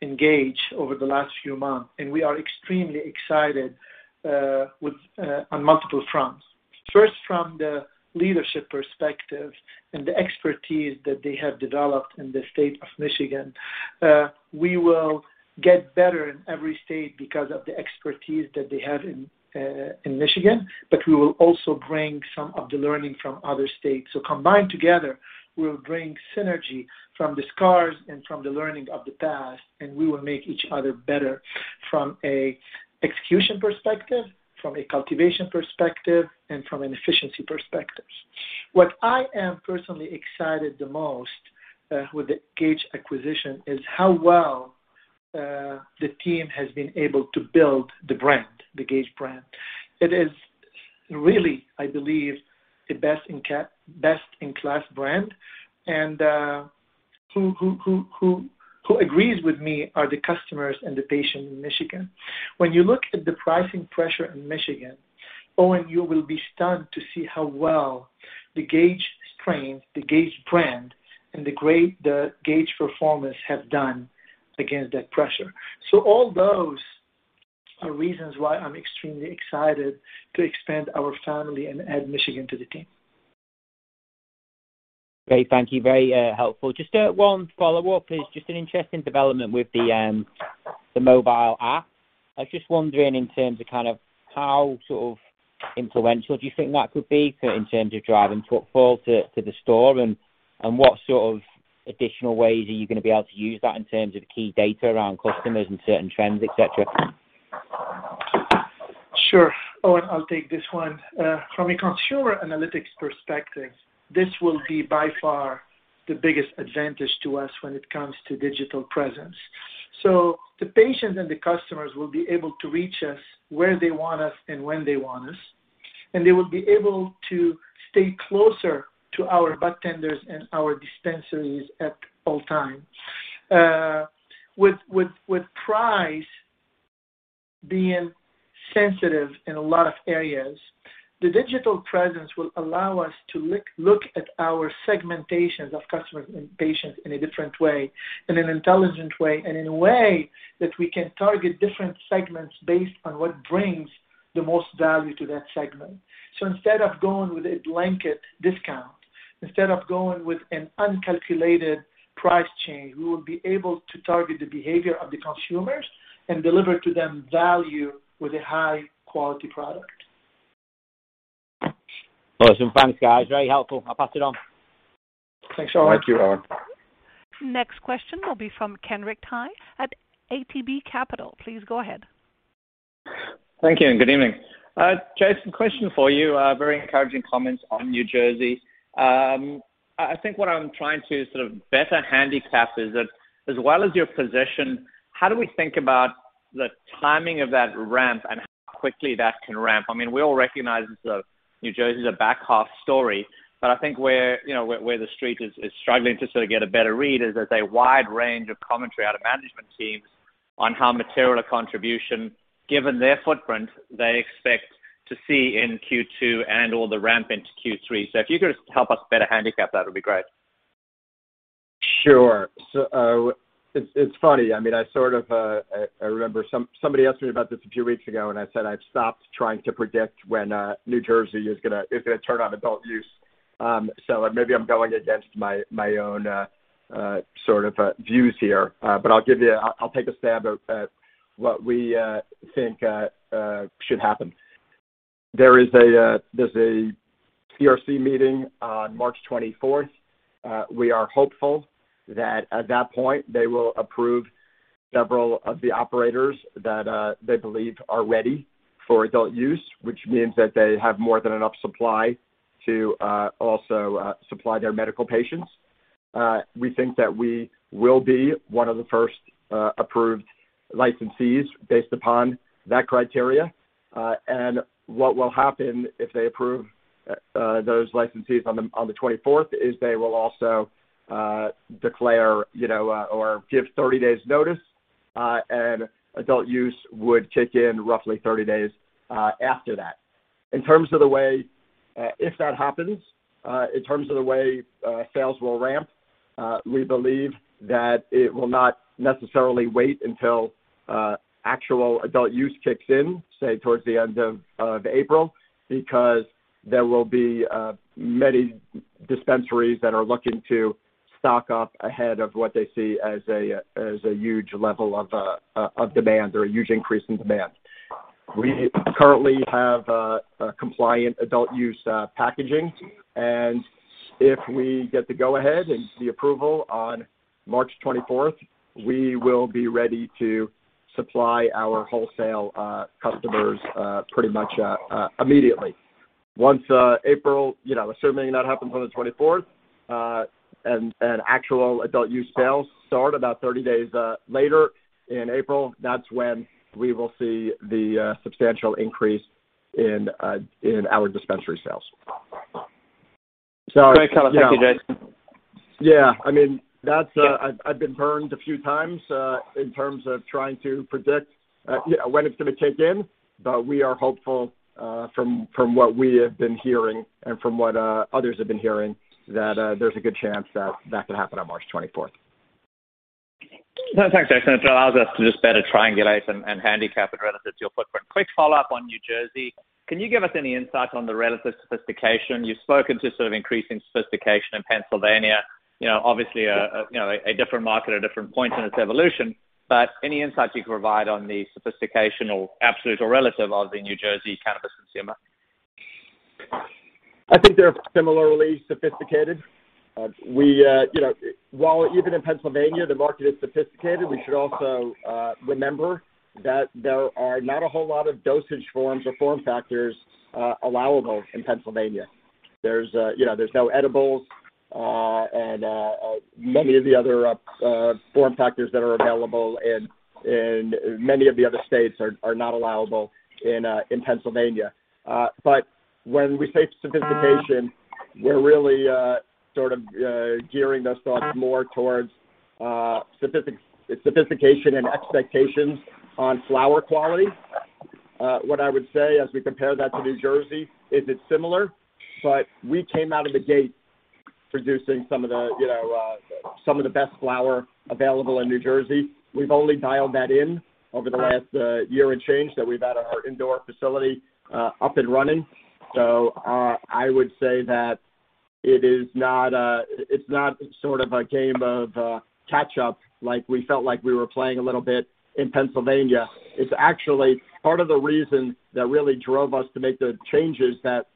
in Gage over the last few months, and we are extremely excited on multiple fronts. First, from the leadership perspective and the expertise that they have developed in the state of Michigan, we will get better in every state because of the expertise that they have in Michigan, but we will also bring some of the learning from other states. Combined together, we'll bring synergy from the scars and from the learning of the past, and we will make each other better from an execution perspective, from a cultivation perspective, and from an efficiency perspective. What I am personally excited the most with the Gage acquisition is how well the team has been able to build the brand, the Gage brand. It is really, I believe, the best-in-class brand, and who agrees with me are the customers and the patients in Michigan. When you look at the pricing pressure in Michigan, Owen, you will be stunned to see how well the Gage strain, the Gage brand, and the Gage performers have done against that pressure. All those are reasons why I'm extremely excited to expand our family and add Michigan to the team. Great. Thank you. Very helpful. Just one follow-up, please. Just an interesting development with the mobile app. I was just wondering in terms of kind of how sort of influential do you think that could be for in terms of driving footfall to the store, and what sort of additional ways are you gonna be able to use that in terms of key data around customers and certain trends, et cetera? Sure. Owen, I'll take this one. From a consumer analytics perspective, this will be by far the biggest advantage to us when it comes to digital presence. The patients and the customers will be able to reach us where they want us and when they want us, and they will be able to stay closer to our budtenders and our dispensaries at all times. With price being sensitive in a lot of areas, the digital presence will allow us to look at our segmentations of customers and patients in a different way, in an intelligent way, and in a way that we can target different segments based on what brings the most value to that segment. Instead of going with a blanket discount, instead of going with an uncalculated price change, we will be able to target the behavior of the consumers and deliver to them value with a high-quality product. Awesome. Thanks, guys. Very helpful. I'll pass it on. Thanks, Owen. Thank you, Owen. Next question will be from Kenric Tyghe at ATB Capital. Please go ahead. Thank you and good evening. Jason, question for you. Very encouraging comments on New Jersey. I think what I'm trying to sort of better handicap is that as well as your position, how do we think about the timing of that ramp and how quickly that can ramp? I mean, we all recognize that, New Jersey is a back half story, but I think where, you know, the Street is struggling to sort of get a better read is there's a wide range of commentary out of management teams on how material a contribution, given their footprint, they expect to see in Q2 and/or the ramp into Q3. If you could help us better handicap, that would be great. Sure. It's funny, I mean, I sort of, I remember somebody asked me about this a few weeks ago, and I said I've stopped trying to predict when New Jersey is gonna turn on adult use. Maybe I'm going against my own sort of views here, but I'll give you. I'll take a stab at what we think should happen. There's a CRC meeting on March 24, 2021. We are hopeful that at that point they will approve several of the operators that they believe are ready for adult use, which means that they have more than enough supply to also supply their medical patients. We think that we will be one of the first approved licensees based upon that criteria. What will happen if they approve those licensees on the 24th is they will also declare, you know, or give 30 days' notice, and adult use would kick in roughly 30 days after that. In terms of the way if that happens, sales will ramp, we believe that it will not necessarily wait until actual adult use kicks in, say towards the end of April, because there will be many dispensaries that are looking to stock up ahead of what they see as a huge level of demand or a huge increase in demand. We currently have a compliant adult use packaging, and if we get the go-ahead and the approval on March 24, 2021. We will be ready to supply our wholesale customers pretty much immediately. Once April—you know assuming that happens on the 24th and actual adult use sales start about 30 days later in April, that's when we will see the substantial increase in our dispensary sales. Yeah. Great. Thank you, Jason. Yeah. I mean, that's. I've been burned a few times in terms of trying to predict when it's gonna kick in, but we are hopeful from what we have been hearing and from what others have been hearing that there's a good chance that that could happen on March 24, 2021. No, thanks, Jason. It allows us to just better triangulate and handicap it relative to your footprint. Quick follow-up on New Jersey. Can you give us any insight on the relative sophistication? You've spoken to sort of increasing sophistication in Pennsylvania, you know, obviously, you know, a different market at different points in its evolution, but any insight you can provide on the sophistication or absolute or relative of the New Jersey cannabis consumer? I think they're similarly sophisticated. We, you know, while even in Pennsylvania the market is sophisticated, we should also remember that there are not a whole lot of dosage forms or form factors allowable in Pennsylvania. There's, you know, there's no edibles, and many of the other form factors that are available in many of the other states are not allowable in Pennsylvania. When we say sophistication, we're really sort of gearing those thoughts more towards sophistication and expectations on flower quality. What I would say as we compare that to New Jersey is it's similar, but we came out of the gate producing some of the, you know, some of the best flower available in New Jersey. We've only dialed that in over the last year and change that we've had our indoor facility up and running. I would say that it's not sort of a game of catch up like we felt like we were playing a little bit in Pennsylvania. It's actually part of the reason that really drove us to make the changes that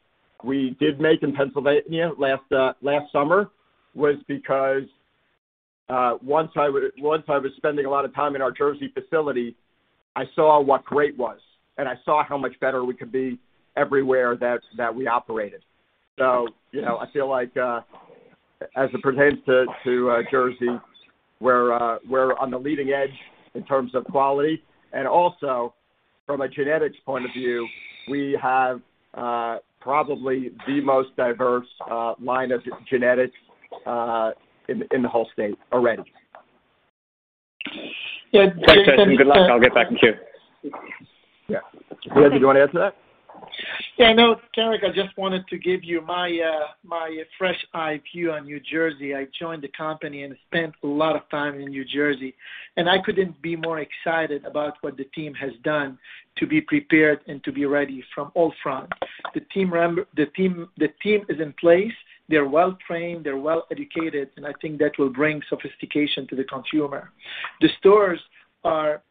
we did make in Pennsylvania last summer was because once I was spending a lot of time in our Jersey facility, I saw how great it was, and I saw how much better we could be everywhere that we operated. You know, I feel like as it pertains to Jersey, we're on the leading edge in terms of quality. From a genetics point of view, we have probably the most diverse line of genetics in the whole state already. Yeah. Thanks, Jason. Good luck. I'll get back in queue. Yeah. Ziad, did you want to add to that? Yeah, no, Derek, I just wanted to give you my fresh take on New Jersey. I joined the company and spent a lot of time in New Jersey, and I couldn't be more excited about what the team has done to be prepared and to be ready from all fronts. The team is in place. They're well trained, they're well educated, and I think that will bring sophistication to the consumer. The stores are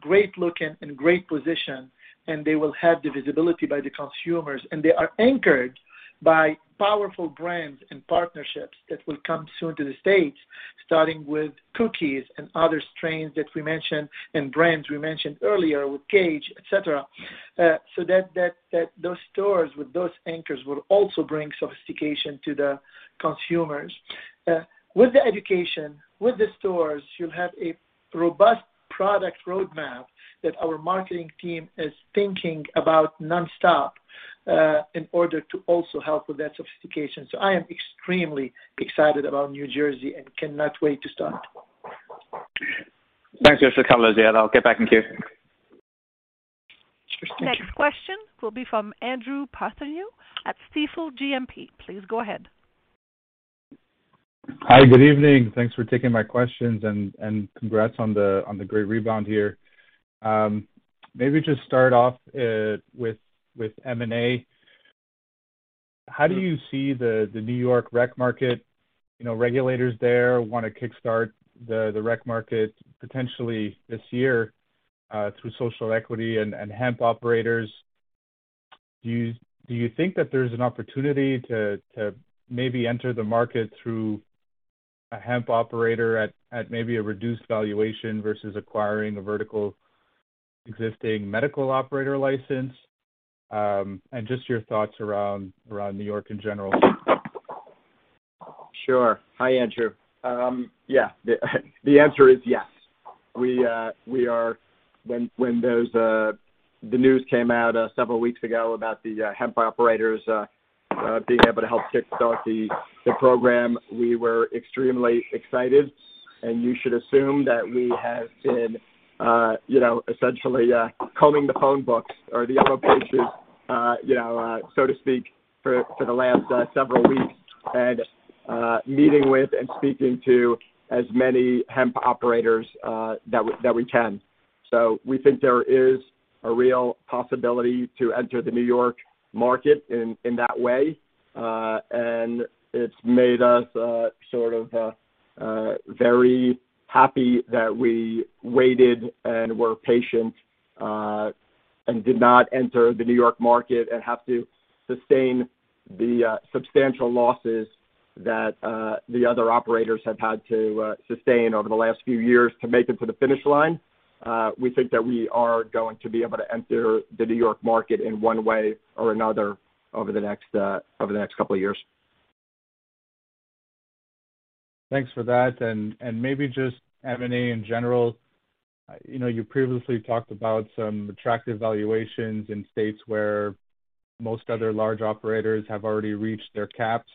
great looking and great position, and they will have the visibility by the consumers, and they are anchored by powerful brands and partnerships that will come soon to the states, starting with Cookies and other strains that we mentioned and brands we mentioned earlier with Gage, et cetera. Those stores with those anchors will also bring sophistication to the consumers. With the education, with the stores, you'll have a robust product roadmap that our marketing team is thinking about nonstop, in order to also help with that sophistication. I am extremely excited about New Jersey and cannot wait to start. Thanks, Ziad, for the color. I'll get back in queue. Sure thing. Next question will be from Andrew Partheniou at Stifel GMP. Please go ahead. Hi, good evening. Thanks for taking my questions and congrats on the great rebound here. Maybe just start off with M&A. How do you see the New York rec market? You know, regulators there want to kickstart the rec market potentially this year through social equity and hemp operators. Do you think that there's an opportunity to maybe enter the market through a hemp operator at maybe a reduced valuation versus acquiring a vertical existing medical operator license? Just your thoughts around New York in general. Sure. Hi, Andrew. Yeah, the answer is yes. When the news came out several weeks ago about the hemp operators being able to help kickstart the program, we were extremely excited, and you should assume that we have been, you know, essentially combing the phone books or the Yellow pages, you know, so to speak, for the last several weeks and meeting with and speaking to as many hemp operators that we can. So we think there is a real possibility to enter the New York market in that way. It's made us sort of very happy that we waited and were patient and did not enter the New York market and have to sustain the substantial losses that the other operators have had to sustain over the last few years to make it to the finish line. We think that we are going to be able to enter the New York market in one way or another over the next couple of years. Thanks for that. Maybe just M&A in general. You know, you previously talked about some attractive valuations in states where most other large operators have already reached their caps.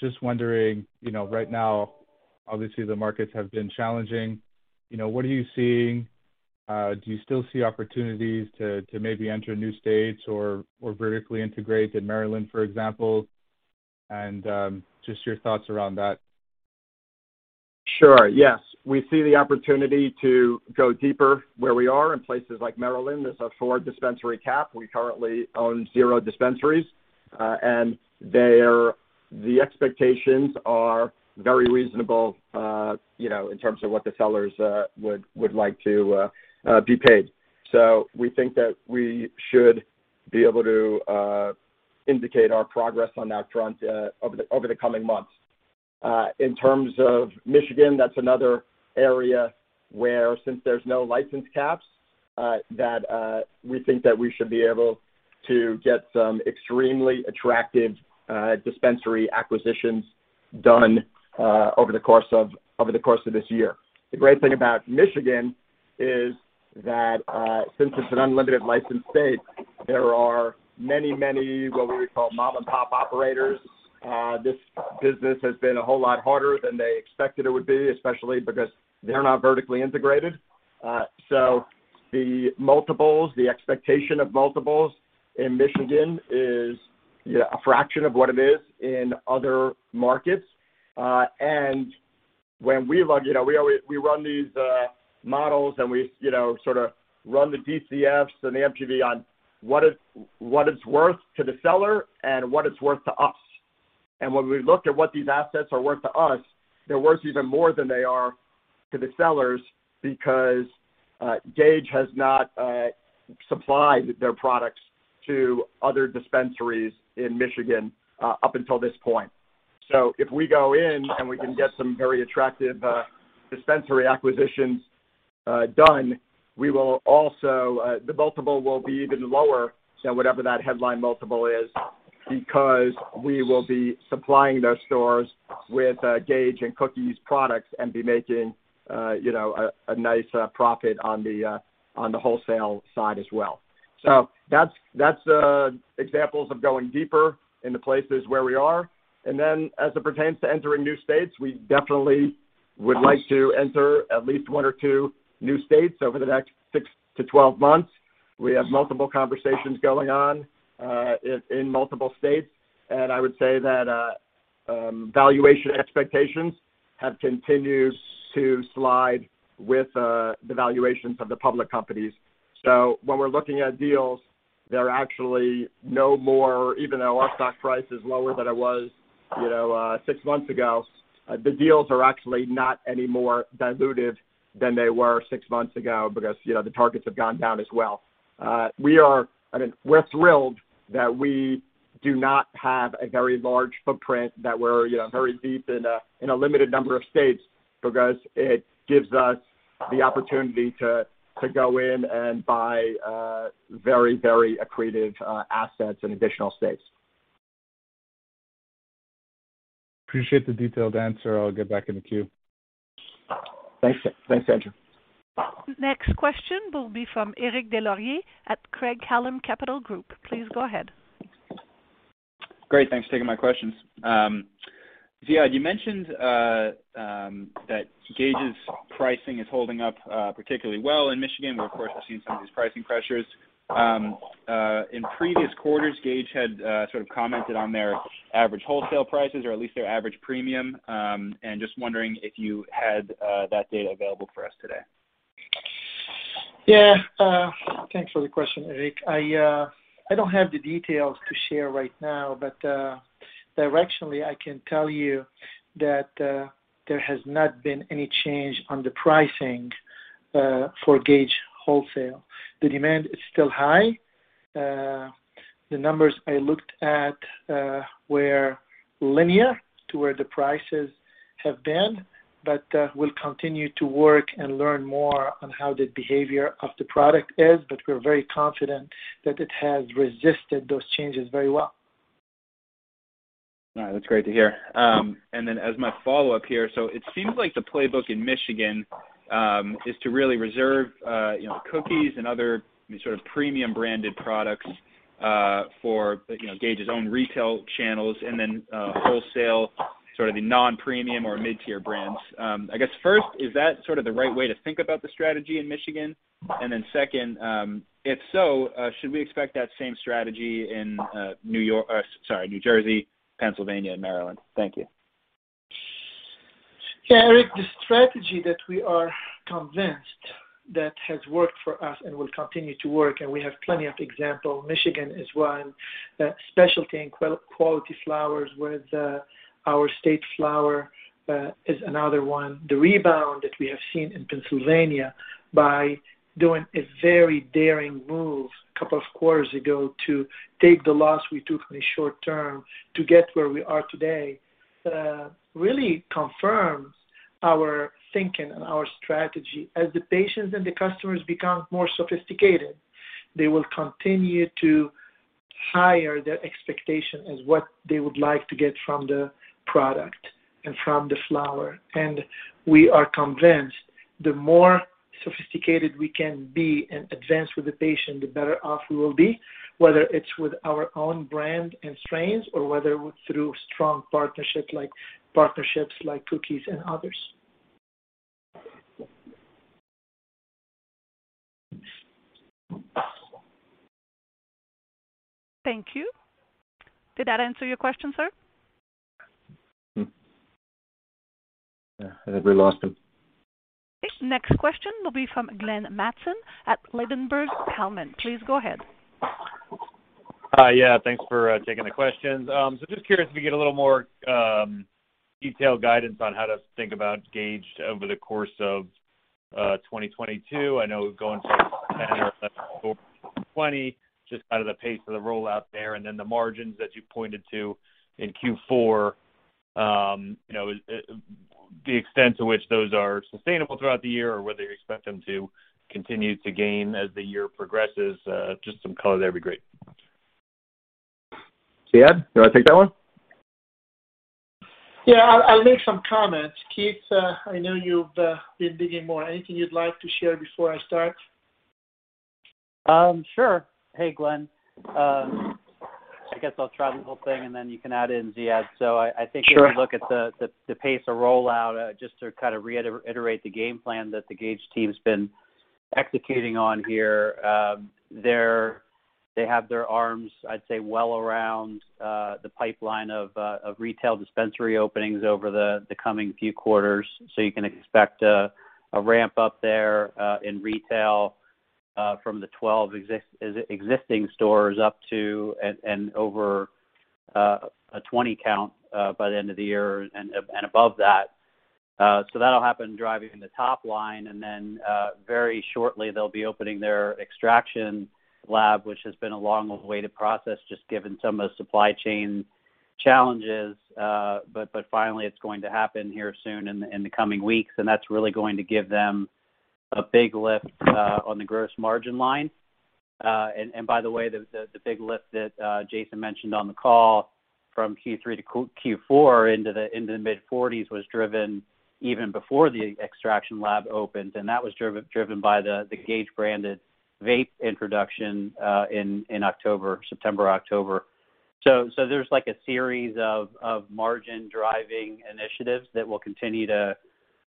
Just wondering, you know, right now, obviously the markets have been challenging. You know, what are you seeing? Do you still see opportunities to maybe enter new states or vertically integrate in Maryland, for example? Just your thoughts around that. Sure. Yes. We see the opportunity to go deeper where we are in places like Maryland. There's a four dispensary cap. We currently own zero dispensaries. Their expectations are very reasonable, you know, in terms of what the sellers would like to be paid. So we think that we should be able to indicate our progress on that front over the coming months. In terms of Michigan, that's another area where since there's no license caps, we think that we should be able to get some extremely attractive dispensary acquisitions done over the course of this year. The great thing about Michigan is that since it's an unlimited license state, there are many what we would call mom-and-pop operators. This business has been a whole lot harder than they expected it would be, especially because they're not vertically integrated. So the multiples, the expectation of multiples in Michigan is, you know, a fraction of what it is in other markets. And when we look, you know, we always run these models, and we, you know, sort of run the DCFs and the MGV on what it's worth to the seller and what it's worth to us. And when we look at what these assets are worth to us, they're worth even more than they are to the sellers because Gage has not supplied their products to other dispensaries in Michigan up until this point. If we go in and we can get some very attractive dispensary acquisitions done, we will also the multiple will be even lower than whatever that headline multiple is because we will be supplying those stores with Gage and Cookies products and be making you know, a nice profit on the wholesale side as well. That's examples of going deeper in the places where we are. As it pertains to entering new states, we definitely would like to enter at least one or two new states over the next six to 12 months. We have multiple conversations going on in multiple states. I would say that valuation expectations have continued to slide with the valuations of the public companies. When we're looking at deals, they're actually no more, even though our stock price is lower than it was, you know, six months ago, the deals are actually not any more dilutive than they were six months ago because, you know, the targets have gone down as well. I mean, we're thrilled that we do not have a very large footprint, that we're, you know, very deep in a limited number of states because it gives us the opportunity to go in and buy very, very accretive assets in additional states. Appreciate the detailed answer. I'll get back in the queue. Thanks. Thanks, Andrew. Next question will be from Eric Des Lauriers at Craig-Hallum Capital Group. Please go ahead. Great. Thanks for taking my questions. Ziad, you mentioned that Gage's pricing is holding up particularly well in Michigan, where of course we've seen some of these pricing pressures. In previous quarters, Gage had sort of commented on their average wholesale prices or at least their average premium. Just wondering if you had that data available for us today. Yeah. Thanks for the question, Eric. I don't have the details to share right now, but directionally, I can tell you that there has not been any change on the pricing for Gage wholesale. The demand is still high. The numbers I looked at were line to where the prices have been, but we'll continue to work and learn more on how the behavior of the product is, but we're very confident that it has resisted those changes very well. All right. That's great to hear. As my follow-up here, it seems like the playbook in Michigan is to really reserve, you know, Cookies and other sort of premium branded products for, you know, Gage's own retail channels and then wholesale sort of the non-premium or mid-tier brands. I guess first, is that sort of the right way to think about the strategy in Michigan? Second, if so, should we expect that same strategy in New Jersey, Pennsylvania, and Maryland? Thank you. Yeah, Eric, the strategy that we are convinced that has worked for us and will continue to work, and we have plenty of example. Michigan is one, specialty and quality flowers with our State Flower is another one. The rebound that we have seen in Pennsylvania by doing a very daring move a couple of quarters ago to take the loss we took in the short term to get where we are today really confirms our thinking and our strategy. As the patients and the customers become more sophisticated, they will continue to raise their expectations as to what they would like to get from the product and from the flower. We are convinced the more sophisticated we can be and advance with the patient, the better off we will be, whether it's with our own brand and strains or whether through strong partnerships like Cookies and others. Thank you. Did that answer your question, sir? Yeah. I think we lost him. Okay. Next question will be from Glenn Mattson at Ladenburg Thalmann. Please go ahead. Hi. Yeah. Thanks for taking the questions. So just curious if we get a little more detailed guidance on how to think about Gage over the course of 2022. I know going from 2020, just kind of the pace of the rollout there, and then the margins that you pointed to in Q4, you know, the extent to which those are sustainable throughout the year or whether you expect them to continue to gain as the year progresses. Just some color there would be great. Ziad, do you want to take that one? Yeah, I'll make some comments. Keith, I know you've been digging more. Anything you'd like to share before I start? Sure. Hey, Glenn. I guess I'll try the whole thing, and then you can add in, Ziad. I think- Sure. If you look at the pace of rollout, just to kind of reiterate the game plan that the Gage team's been executing on here, they have their arms, I'd say, well around the pipeline of retail dispensary openings over the coming few quarters. You can expect a ramp-up there in retail from the 12 existing stores up to and over a 20 count by the end of the year and above that. That'll happen driving the top line and then very shortly they'll be opening their extraction lab, which has been a long-awaited process just given some of the supply chain challenges. Finally it's going to happen here soon in the coming weeks, and that's really going to give them a big lift on the gross margin line. By the way, the big lift that Jason mentioned on the call from Q3 to Q4 into the mid-forties was driven even before the extraction lab opened, and that was driven by the Gage-branded vape introduction in September-October. There's like a series of margin-driving initiatives that will continue to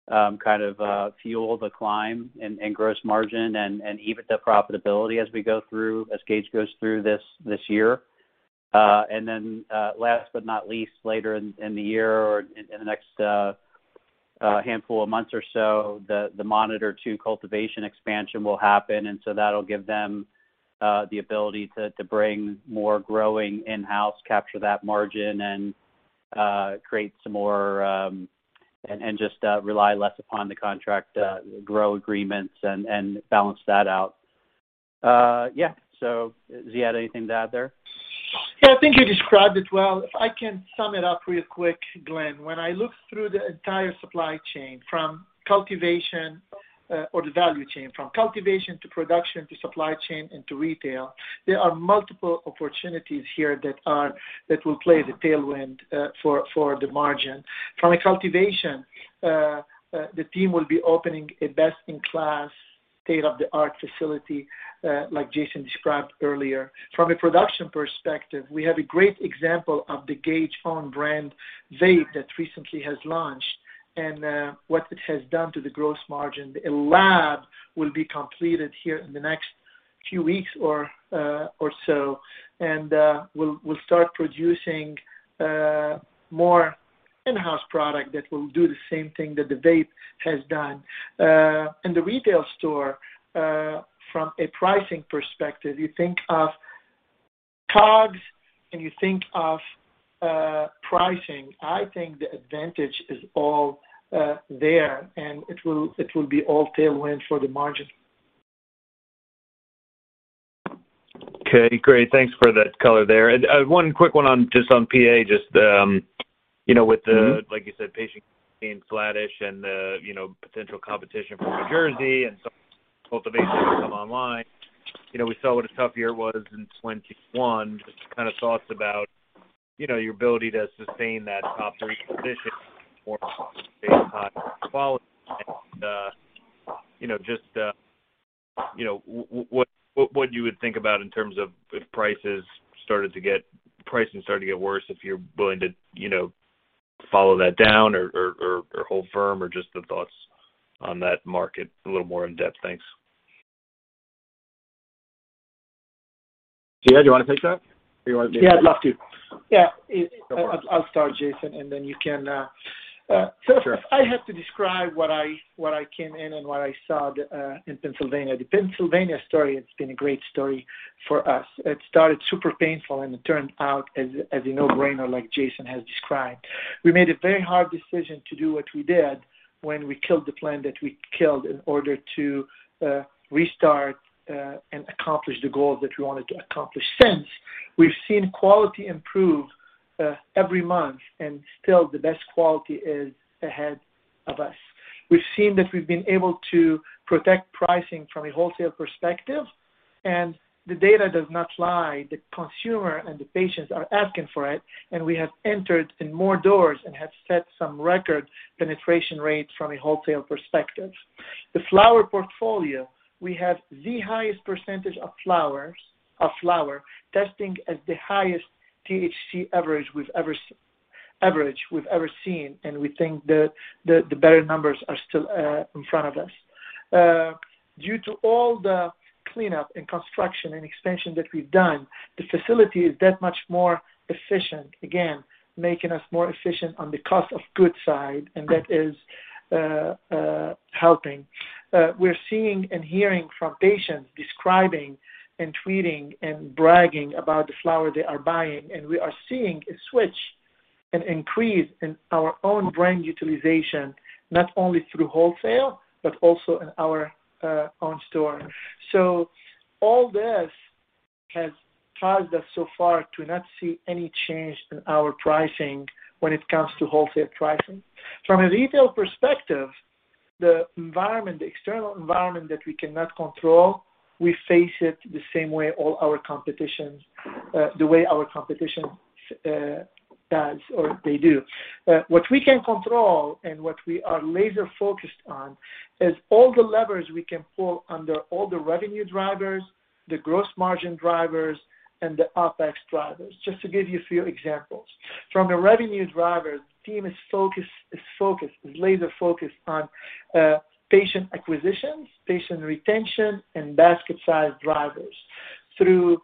kind of fuel the climb in gross margin and EBITDA profitability as we go through, as Gage goes through this year. Last but not least, later in the year or in the next handful of months or so, the Monitor 2 cultivation expansion will happen. That'll give them the ability to bring more growing in-house, capture that margin and create some more and just rely less upon the contract grow agreements and balance that out. Yeah. Ziad, anything to add there? Yeah, I think you described it well. If I can sum it up real quick, Glenn. When I look through the entire supply chain from cultivation, or the value chain from cultivation to production to supply chain and to retail, there are multiple opportunities here that will play the tailwind for the margin. From a cultivation, the team will be opening a best-in-class, state-of-the-art facility, like Jason described earlier. From a production perspective, we have a great example of the Gage own brand vape that recently has launched and what it has done to the gross margin. The lab will be completed here in the next few weeks or so. We'll start producing more in-house product that will do the same thing that the vape has done. In the retail store, from a pricing perspective, you think of COGS and you think of pricing. I think the advantage is all there, and it will be all tailwind for the margin. Okay, great. Thanks for that color there. One quick one on PA, you know, with the Mm-hmm. Like you said, patients staying flattish and the, you know, potential competition from New Jersey and some cultivation come online. You know, we saw what a tough year it was in 2021. Just kind of thoughts about, you know, your ability to sustain that top three position more based high quality. You know, just, you know, what you would think about in terms of if pricing started to get worse, if you're willing to, you know, follow that down or hold firm or just the thoughts on that market a little more in-depth. Thanks. Ziad, do you want to take that or you want me? Yeah, I'd love to. Yeah. Go for it. I'll start, Jason, and then you can. Sure. If I had to describe what I came in and what I saw in Pennsylvania. The Pennsylvania story has been a great story for us. It started super painful, and it turned out as a no-brainer like Jason has described. We made a very hard decision to do what we did when we killed the plan that we killed in order to restart and accomplish the goals that we wanted to accomplish. Since we've seen quality improve every month and still the best quality is ahead of us. We've seen that we've been able to protect pricing from a wholesale perspective, and the data does not lie. The consumer and the patients are asking for it, and we have entered in more doors and have set some record penetration rates from a wholesale perspective. The flower portfolio, we have the highest percentage of flowers, of flower testing as the highest THC average we've ever seen, and we think that the better numbers are still in front of us. Due to all the cleanup, and construction, and expansion that we've done, the facility is that much more efficient, again, making us more efficient on the cost of goods side, and that is helping. We're seeing and hearing from patients describing, and tweeting, and bragging about the flower they are buying, and we are seeing a switch and increase in our own brand utilization, not only through wholesale, but also in our own store. All this has caused us so far to not see any change in our pricing when it comes to wholesale pricing. From a retail perspective, the environment, the external environment that we cannot control, we face it the same way all our competitors, the way our competitors do. What we can control and what we are laser focused on is all the levers we can pull under all the revenue drivers, the gross margin drivers, and the OpEx drivers. Just to give you a few examples. From the revenue drivers, the team is laser focused on patient acquisitions, patient retention, and basket size drivers through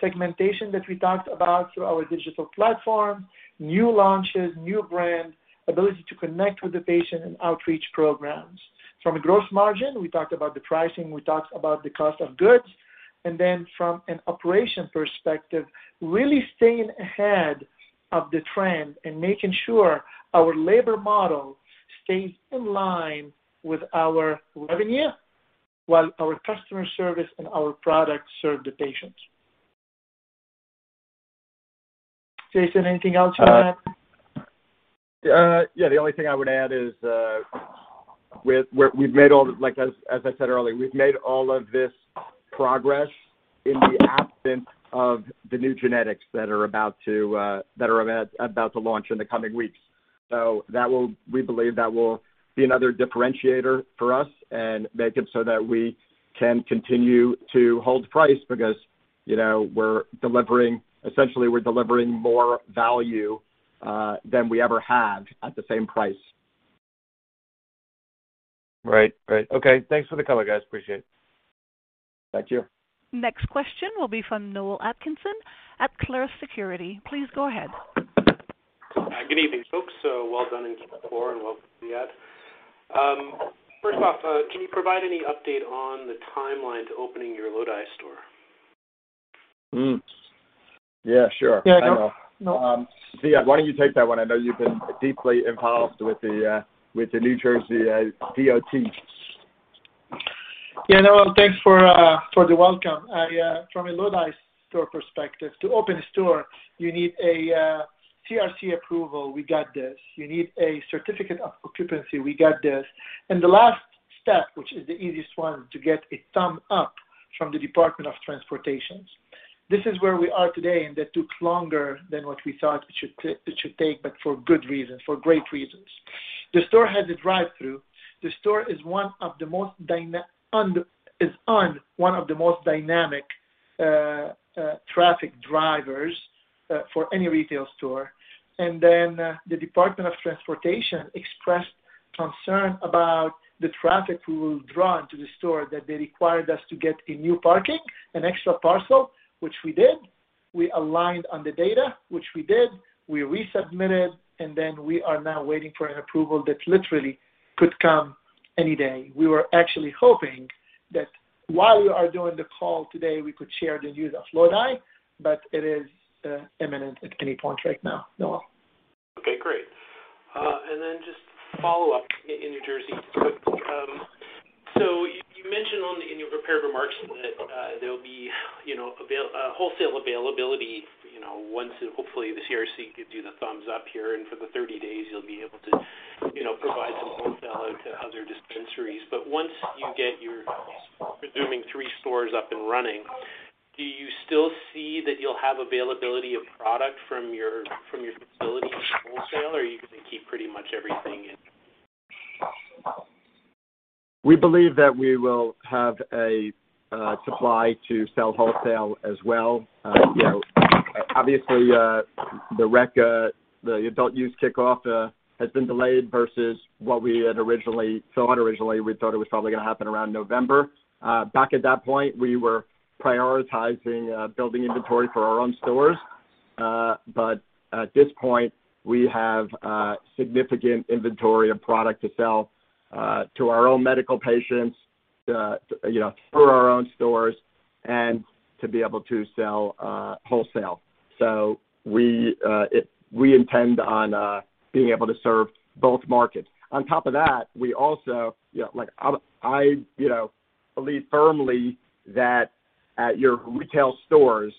segmentation that we talked about, through our digital platform, new launches, new brands, ability to connect with the patient, and outreach programs. From a gross margin, we talked about the pricing, we talked about the cost of goods. From an operations perspective, really staying ahead of the trend and making sure our labor model stays in line with our revenue, while our customer service and our products serve the patients. Jason, anything else you want to add? Yeah. The only thing I would add is, like, as I said earlier, we've made all of this progress in the absence of the new genetics that are about to launch in the coming weeks. So that will. We believe that will be another differentiator for us and make it so that we can continue to hold price because, you know, we're delivering, essentially we're delivering more value than we ever have at the same price. Right. Okay. Thanks for the color, guys. Appreciate it. Thank you. Next question will be from Noel Atkinson at Clarus Securities. Please go ahead. Hi. Good evening, folks. Well done in Q4, and welcome, Ziad. First off, can you provide any update on the timeline to opening your Lodi store? Yeah, sure. Yeah, I know. Noel, Ziad, why don't you take that one? I know you've been deeply involved with the New Jersey DOT. Yeah, Noel, thanks for the welcome. From a Lodi store perspective, to open a store, you need a CRC approval. We got this. You need a certificate of occupancy. We got this. The last step, which is the easiest one, to get a thumbs up from the Department of Transportation. This is where we are today, and that took longer than what we thought it should take, but for good reasons, for great reasons. The store has a drive-through. The store is on one of the most dynamic traffic drivers for any retail store. The Department of Transportation expressed concern about the traffic we will draw into the store that they required us to get a new parking, an extra parcel, which we did. We aligned on the data, which we did. We resubmitted, and then we are now waiting for an approval that literally could come any day. We were actually hoping that while we are doing the call today, we could share the news of Lodi, but it is imminent at any point right now, Noel. Okay, great. Just follow up in New Jersey quick. So you mentioned in your prepared remarks that there'll be, you know, wholesale availability, you know, once hopefully the CRC gives you the thumbs up here, and for the 30 days you'll be able to, you know, provide some wholesale out to other dispensaries. Once you get your, presuming, 3 stores up and running, do you still see that you'll have availability of product from your facility wholesale, or are you gonna keep pretty much everything in? We believe that we will have a supply to sell wholesale as well. You know, obviously, the adult use kickoff has been delayed versus what we had originally thought. Originally, we thought it was probably gonna happen around November. Back at that point, we were prioritizing building inventory for our own stores. At this point, we have significant inventory of product to sell to our own medical patients, you know, through our own stores and to be able to sell wholesale. We intend on being able to serve both markets. On top of that, we also, you know, like, you know, believe firmly that at your retail stores,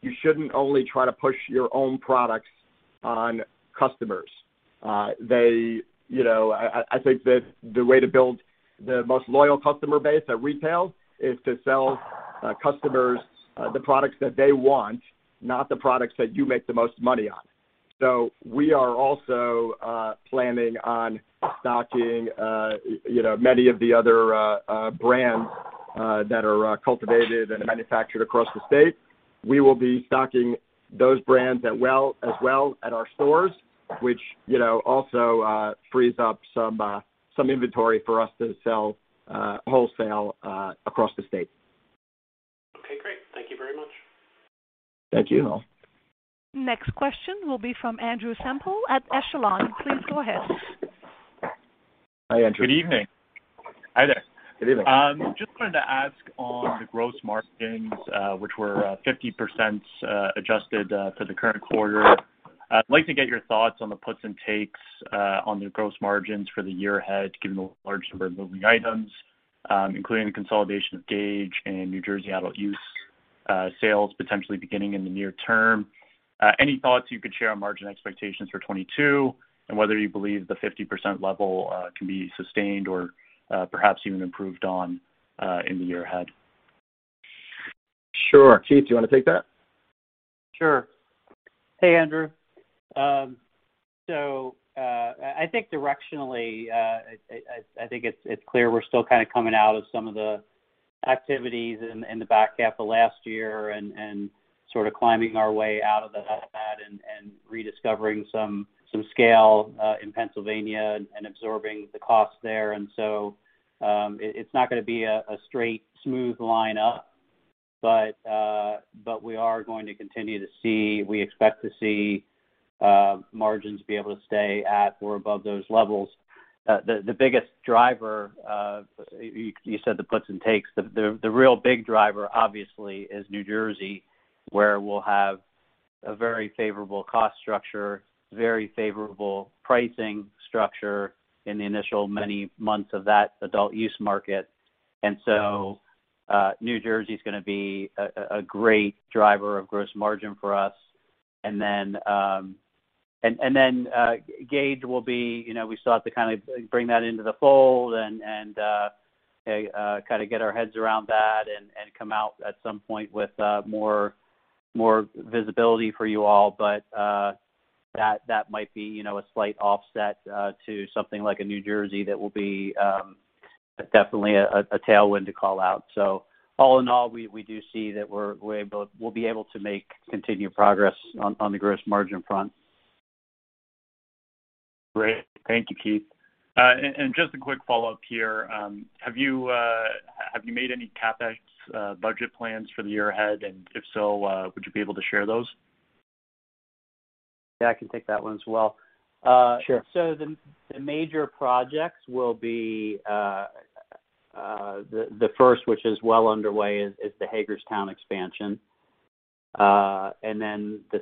you shouldn't only try to push your own products on customers. You know, I think the way to build the most loyal customer base at retail is to sell customers the products that they want, not the products that you make the most money on. We are also planning on stocking, you know, many of the other brands that are cultivated and manufactured across the state. We will be stocking those brands as well at our stores, which, you know, also frees up some inventory for us to sell wholesale across the state. Okay, great. Thank you very much. Thank you. Next question will be from Andrew Semple at Echelon. Please go ahead. Hi, Andrew. Good evening. Hi there. Good evening. Just wanted to ask on the gross margins, which were 50% adjusted for the current quarter. I'd like to get your thoughts on the puts and takes on the gross margins for the year ahead, given the large number of moving items, including the consolidation of Gage and New Jersey adult-use sales potentially beginning in the near term. Any thoughts you could share on margin expectations for 2022 and whether you believe the 50% level can be sustained or perhaps even improved on in the year ahead? Sure. Keith, do you wanna take that? Sure. Hey, Andrew. I think directionally, I think it's clear we're still kind of coming out of some of the activities in the back half of last year and sort of climbing our way out of that, and rediscovering some scale in Pennsylvania and absorbing the costs there. It's not gonna be a straight smooth line up, but we expect to see margins be able to stay at or above those levels. The biggest driver, you said the puts and takes. The real big driver obviously is New Jersey, where we'll have a very favorable cost structure, very favorable pricing structure in the initial many months of that adult use market. New Jersey is gonna be a great driver of gross margin for us. Then, Gage will be, you know, we still have to kind of bring that into the fold and kind of get our heads around that and come out at some point with more visibility for you all. That might be, you know, a slight offset to something like New Jersey that will be definitely a tailwind to call out. All in all, we do see that we'll be able to make continued progress on the gross margin front. Great. Thank you, Keith. Just a quick follow-up here. Have you made any CapEx budget plans for the year ahead? If so, would you be able to share those? Yeah, I can take that one as well. Sure. The major projects will be the first, which is well underway, is the Hagerstown expansion. The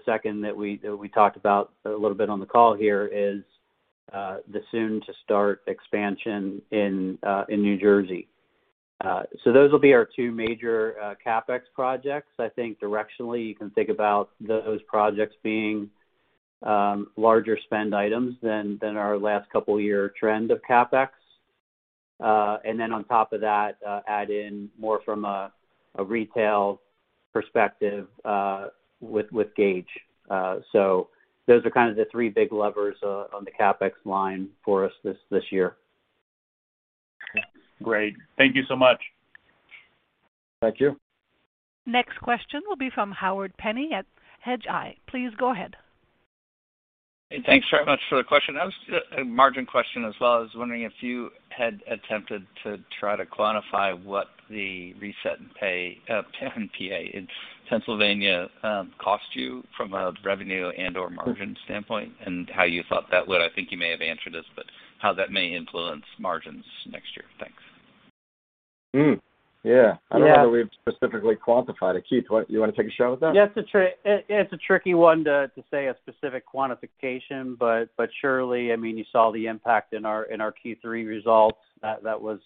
second that we talked about a little bit on the call here is the soon-to-start expansion in New Jersey. Those will be our two major CapEx projects. I think directionally you can think about those projects being larger spend items than our last couple year trend of CapEx. On top of that, add in more from a retail perspective with Gage. Those are kind of the three big levers on the CapEx line for us this year. Great. Thank you so much. Thank you. Next question will be from Howard Penney at Hedgeye. Please go ahead. Thanks very much for the question. It was a margin question as well. I was wondering if you had attempted to try to quantify what the reset and the PA in Pennsylvania cost you from a revenue and/or margin standpoint, and how you thought that would, I think you may have answered this, but how that may influence margins next year. Thanks. Yeah. Yeah. I don't know that we've specifically quantified it. Keith, you wanna take a shot at that? Yeah, it's a tricky one to say a specific quantification, but surely, I mean, you saw the impact in our Q3 results. That was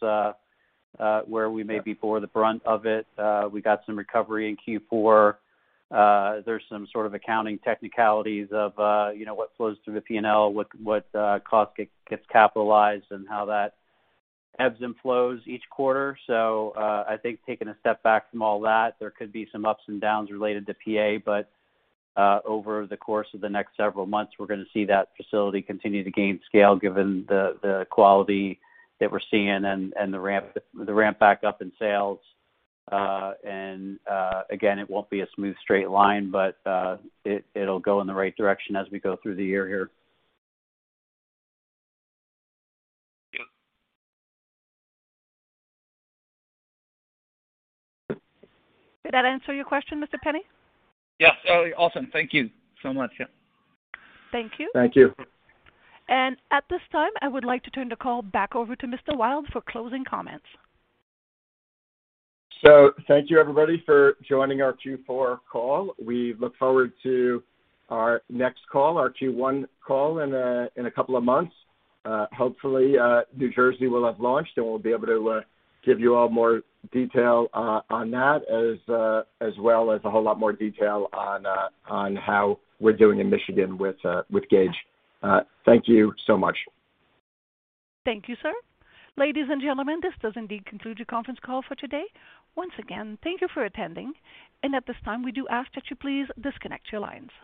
where we may have borne the brunt of it. We got some recovery in Q4. There's some sort of accounting technicalities of what flows through the P&L, you know, what costs get capitalized and how that ebbs and flows each quarter. I think taking a step back from all that, there could be some ups and downs related to PA, but over the course of the next several months, we're gonna see that facility continue to gain scale given the quality that we're seeing and the ramp back up in sales. Again, it won't be a smooth straight line, but it'll go in the right direction as we go through the year here. Yep. Did that answer your question, Mr. Penney? Yeah. Sorry. Awesome. Thank you so much. Yeah. Thank you. Thank you. At this time, I would like to turn the call back over to Mr. Wild for closing comments. Thank you, everybody, for joining our Q4 call. We look forward to our next call, our Q1 call in a couple of months. Hopefully, New Jersey will have launched, and we'll be able to give you all more detail on that as well as a whole lot more detail on how we're doing in Michigan with Gage. Thank you so much. Thank you, sir. Ladies and gentlemen, this does indeed conclude your conference call for today. Once again, thank you for attending. At this time, we do ask that you please disconnect your lines.